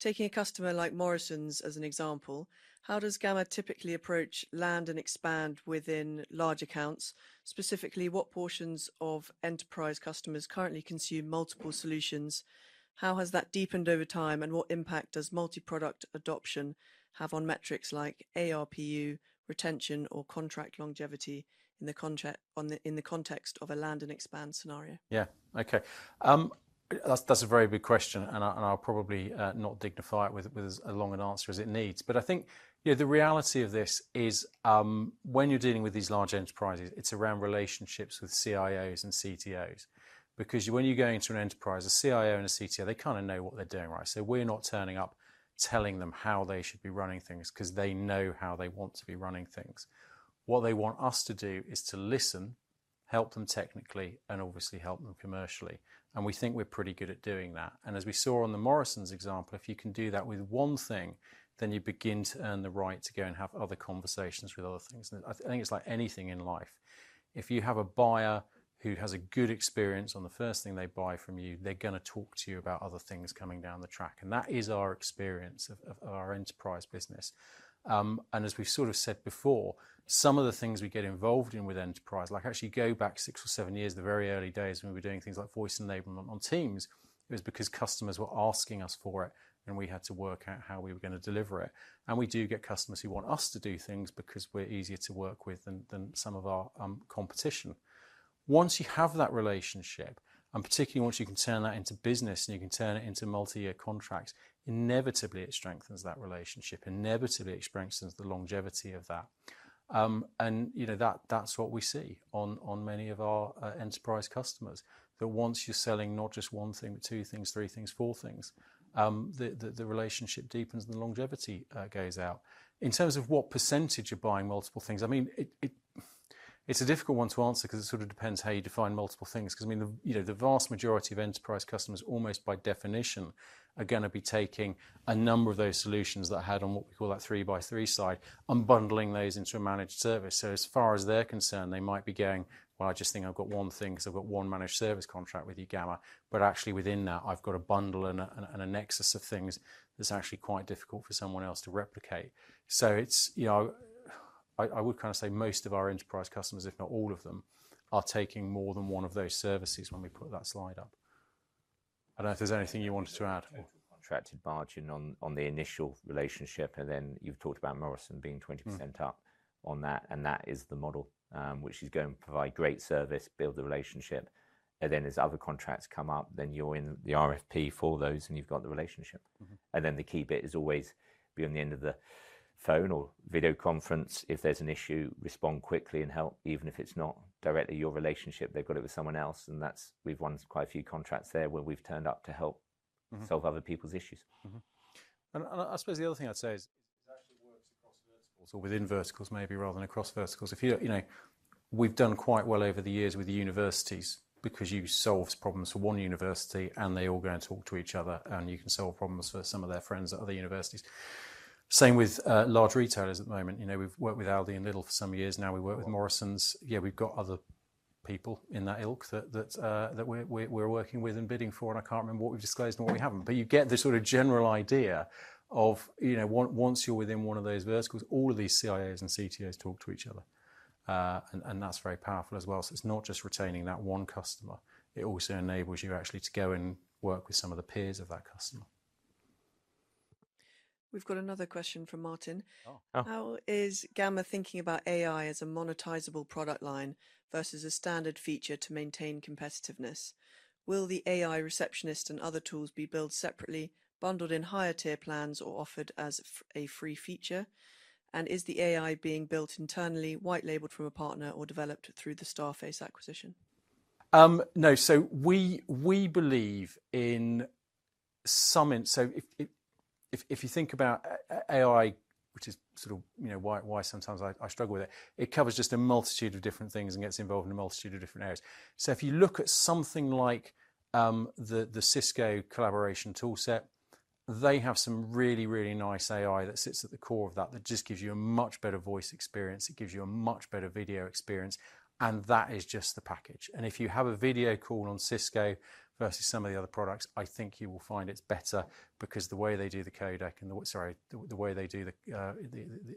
S6: Taking a customer like Morrisons as an example, how does Gamma typically approach, land, and expand within large accounts? Specifically, what proportion of enterprise customers currently consume multiple solutions? How has that deepened over time and what impact does multi-product adoption have on metrics like ARPU, retention or contract longevity in the context of a land and expand scenario?
S1: Yeah. Okay. That's a very good question and I'll probably not dignify it with as long an answer as it needs. But I think, you know, the reality of this is, when you're dealing with these large enterprises, it's around relationships with CIOs and CTOs. Because when you go into an enterprise, a CIO and a CTO, they kind of know what they're doing, right? So we're not turning up telling them how they should be running things because they know how they want to be running things. What they want us to do is to listen, help them technically, and obviously help them commercially. And we think we're pretty good at doing that. And as we saw on the Morrisons example, if you can do that with one thing, then you begin to earn the right to go and have other conversations with other things. And I think it's like anything in life. If you have a buyer who has a good experience on the first thing they buy from you, they're going to talk to you about other things coming down the track. And that is our experience of our enterprise business, and as we've sort of said before, some of the things we get involved in with enterprise, like actually go back six or seven years, the very early days when we were doing things like voice enablement on Teams, it was because customers were asking us for it and we had to work out how we were going to deliver it. And we do get customers who want us to do things because we're easier to work with than some of our competition. Once you have that relationship, and particularly once you can turn that into business and you can turn it into multi-year contracts, inevitably it strengthens that relationship, inevitably it strengthens the longevity of that, and you know, that, that's what we see on, on many of our enterprise customers, that once you're selling not just one thing, but two things, three things, four things, the relationship deepens and the longevity goes out. In terms of what percentage you're buying multiple things, I mean, it's a difficult one to answer because it sort of depends how you define multiple things. Because I mean, the, you know, the vast majority of enterprise customers almost by definition are going to be taking a number of those solutions that we have on what we call that three by three side and bundling those into a managed service. As far as they're concerned, they might be going, well, I just think I've got one thing because I've got one managed service contract with you, Gamma, but actually within that I've got a bundle and a nexus of things that's actually quite difficult for someone else to replicate. It's, you know, I would kind of say most of our enterprise customers, if not all of them, are taking more than one of those services when we put that slide up. I don't know if there's anything you wanted to add.
S2: Contracted margin on the initial relationship. You've talked about Morrisons being 20% up on that. That is the model, which is going to provide great service, build the relationship. As other contracts come up, then you're in the RFP for those and you've got the relationship. The key bit is always be on the end of the phone or video conference. If there's an issue, respond quickly and help, even if it's not directly your relationship, they've got it with someone else. That's, we've won quite a few contracts there where we've turned up to help solve other people's issues.
S1: I suppose the other thing I'd say is it actually works across verticals or within verticals maybe rather than across verticals. If you, you know, we've done quite well over the years with the universities because you solve problems for one university and they all go and talk to each other and you can solve problems for some of their friends at other universities. Same with large retailers at the moment. You know, we've worked with Aldi and Lidl for some years. Now we work with Morrisons. Yeah, we've got other people in that ilk that we're working with and bidding for. And I can't remember what we've disclosed and what we haven't. But you get the sort of general idea of, you know, once you're within one of those verticals, all of these CIOs and CTOs talk to each other, and that's very powerful as well. So it's not just retaining that one customer. It also enables you actually to go and work with some of the peers of that customer.
S6: We've got another question from Martin. How is Gamma thinking about AI as a monetizable product line versus a standard feature to maintain competitiveness? Will the AI receptionist and other tools be built separately, bundled in higher tier plans or offered as a free feature? Is the AI being built internally, white labeled from a partner or developed through the Starface acquisition?
S1: No, so we believe in something. So if you think about AI, which is sort of, you know, why sometimes I struggle with it, it covers just a multitude of different things and gets involved in a multitude of different areas. So if you look at something like the Cisco collaboration toolset, they have some really, really nice AI that sits at the core of that that just gives you a much better voice experience. It gives you a much better video experience. And that is just the package. If you have a video call on Cisco versus some of the other products, I think you will find it's better because the way they do the codec and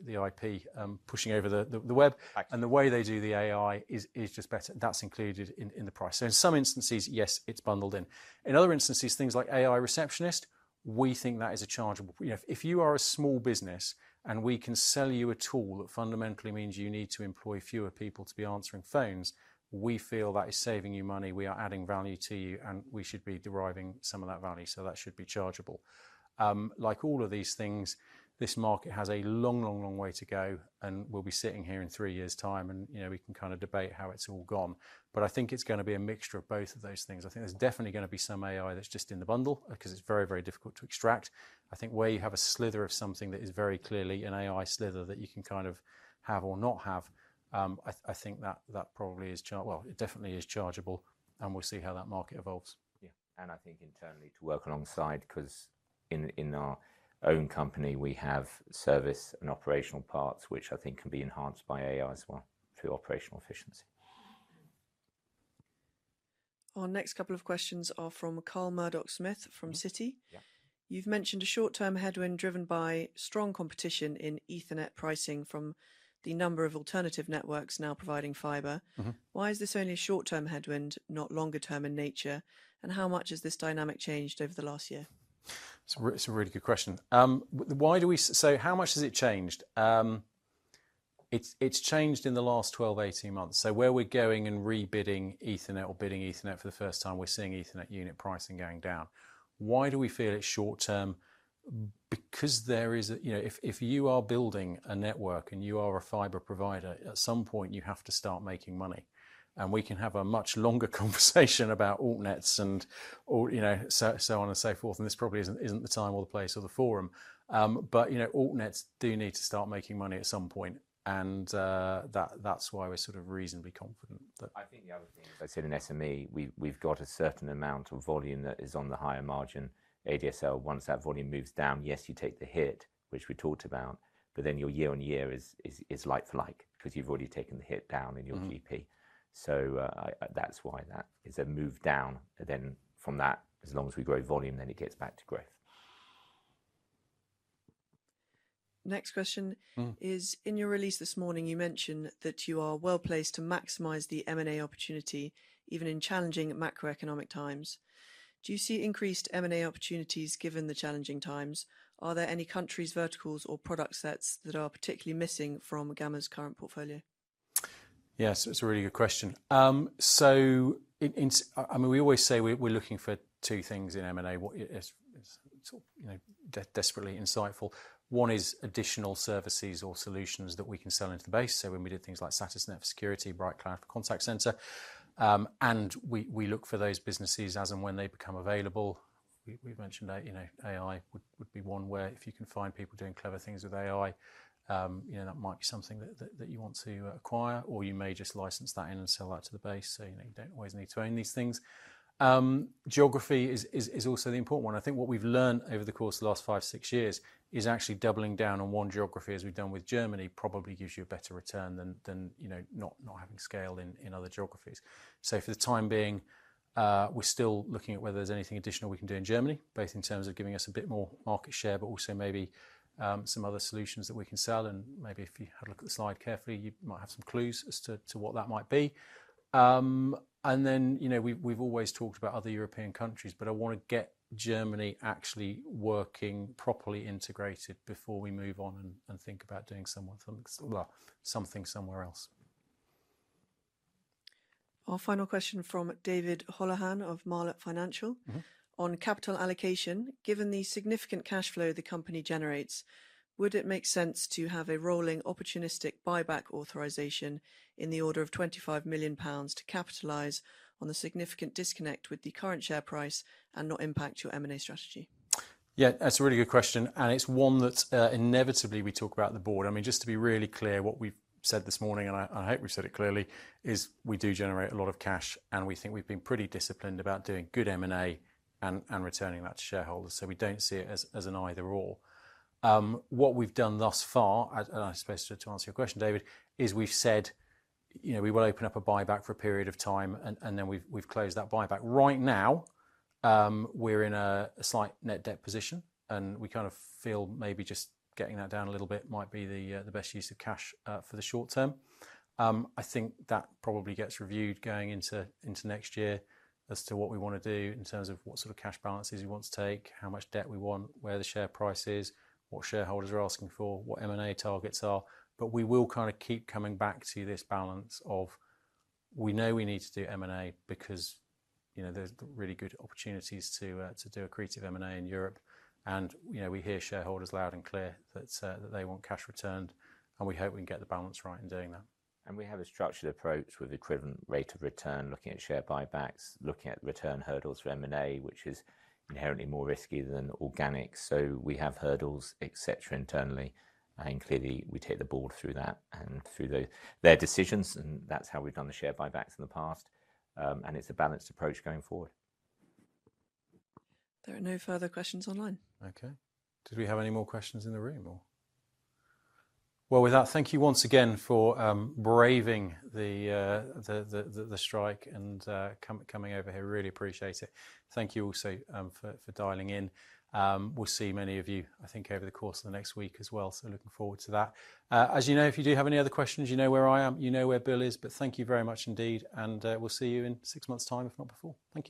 S1: the IP pushing over the web and the way they do the AI is just better. That's included in the price. In some instances, yes, it's bundled in. In other instances, things like AI receptionist, we think that is a charge. You know, if you are a small business and we can sell you a tool that fundamentally means you need to employ fewer people to be answering phones, we feel that is saving you money. We are adding value to you and we should be deriving some of that value. That should be chargeable. Like all of these things, this market has a long, long, long way to go and we'll be sitting here in three years' time and, you know, we can kind of debate how it's all gone. But I think it's going to be a mixture of both of those things. I think there's definitely going to be some AI that's just in the bundle because it's very, very difficult to extract. I think where you have a sliver of something that is very clearly an AI sliver that you can kind of have or not have, I think that that probably is charge. Well, it definitely is chargeable and we'll see how that market evolves.
S2: Yeah. And I think internally to work alongside because in our own company, we have service and operational parts, which I think can be enhanced by AI as well through operational efficiency.
S6: Our next couple of questions are from Carl Murdoch-Smith from Citi. You've mentioned a short-term headwind driven by strong competition in Ethernet pricing from the number of alternative networks now providing fiber. Why is this only a short-term headwind, not longer-term in nature? And how much has this dynamic changed over the last year?
S1: It's a really good question. So how much has it changed? It's changed in the last 12-18 months. So where we're going and rebidding Ethernet or bidding Ethernet for the first time, we're seeing Ethernet unit pricing going down. Why do we feel it's short-term? Because there is, you know, if you are building a network and you are a fiber provider, at some point you have to start making money. We can have a much longer conversation about AltNets and, or, you know, so on and so forth. This probably isn't the time or the place or the forum, but you know, AltNets do need to start making money at some point.
S2: That's why we're sort of reasonably confident that I think the other thing is I said in SME, we've got a certain amount of volume that is on the higher margin. ADSL, once that volume moves down, yes, you take the hit, which we talked about, but then your year on year is like for like because you've already taken the hit down in your GP. That's why that is a move down. From that, as long as we grow volume, then it gets back to growth.
S6: Next question is, in your release this morning, you mentioned that you are well placed to maximize the M&A opportunity, even in challenging macroeconomic times. Do you see increased M&A opportunities given the challenging times? Are there any countries, verticals, or product sets that are particularly missing from Gamma's current portfolio?
S1: Yes, it's a really good question, so in, I mean, we always say we're looking for two things in M&A. What is, it's all, you know, desperately insightful. One is additional services or solutions that we can sell into the base. So when we did things like Satisnet for security, BrightCloud for contact center, and we look for those businesses as and when they become available. We've mentioned that, you know, AI would be one where if you can find people doing clever things with AI, you know, that might be something that you want to acquire or you may just license that in and sell that to the base. So, you know, you don't always need to own these things. Geography is also the important one. I think what we've learned over the course of the last five, six years is actually doubling down on one geography as we've done with Germany probably gives you a better return than, you know, not having scale in other geographies. So for the time being, we're still looking at whether there's anything additional we can do in Germany, both in terms of giving us a bit more market share, but also maybe some other solutions that we can sell. Maybe if you had a look at the slide carefully, you might have some clues as to what that might be. Then, you know, we've always talked about other European countries, but I want to get Germany actually working properly integrated before we move on and think about doing someone, something somewhere else.
S6: Our final question from David Holohan of Mediolanum International Funds on capital allocation. Given the significant cash flow the company generates, would it make sense to have a rolling opportunistic buyback authorization in the order of 25 million pounds to capitalize on the significant disconnect with the current share price and not impact your M&A strategy?
S1: Yeah, that's a really good question. It's one that, inevitably we talk about at the board. I mean, just to be really clear what we've said this morning, and I, I hope we've said it clearly, is we do generate a lot of cash and we think we've been pretty disciplined about doing good M&A and, and returning that to shareholders. So we don't see it as, as an either or. What we've done thus far, and I suppose to answer your question, David, is we've said, you know, we will open up a buyback for a period of time and, and then we've, we've closed that buyback. Right now, we're in a slight net debt position and we kind of feel maybe just getting that down a little bit might be the, the best use of cash, for the short term. I think that probably gets reviewed going into next year as to what we want to do in terms of what sort of cash balances we want to take, how much debt we want, where the share price is, what shareholders are asking for, what M&A targets are. But we will kind of keep coming back to this balance of we know we need to do M&A because, you know, there's really good opportunities to do a creative M&A in Europe. And, you know, we hear shareholders loud and clear that they want cash returned and we hope we can get the balance right in doing that.
S2: And we have a structured approach with equivalent rate of return, looking at share buybacks, looking at return hurdles for M&A, which is inherently more risky than organic. So we have hurdles, et cetera, internally. Clearly we take the board through that and through their decisions. And that's how we've done the share buybacks in the past. It's a balanced approach going forward.
S6: There are no further questions online.
S1: Okay. Did we have any more questions in the room or? With that, thank you once again for braving the strike and coming over here. Really appreciate it. Thank you also for dialing in. We'll see many of you, I think, over the course of the next week as well. Looking forward to that. As you know, if you do have any other questions, you know where I am, you know where Bill is, but thank you very much indeed. We'll see you in six months' time, if not before. Thank you.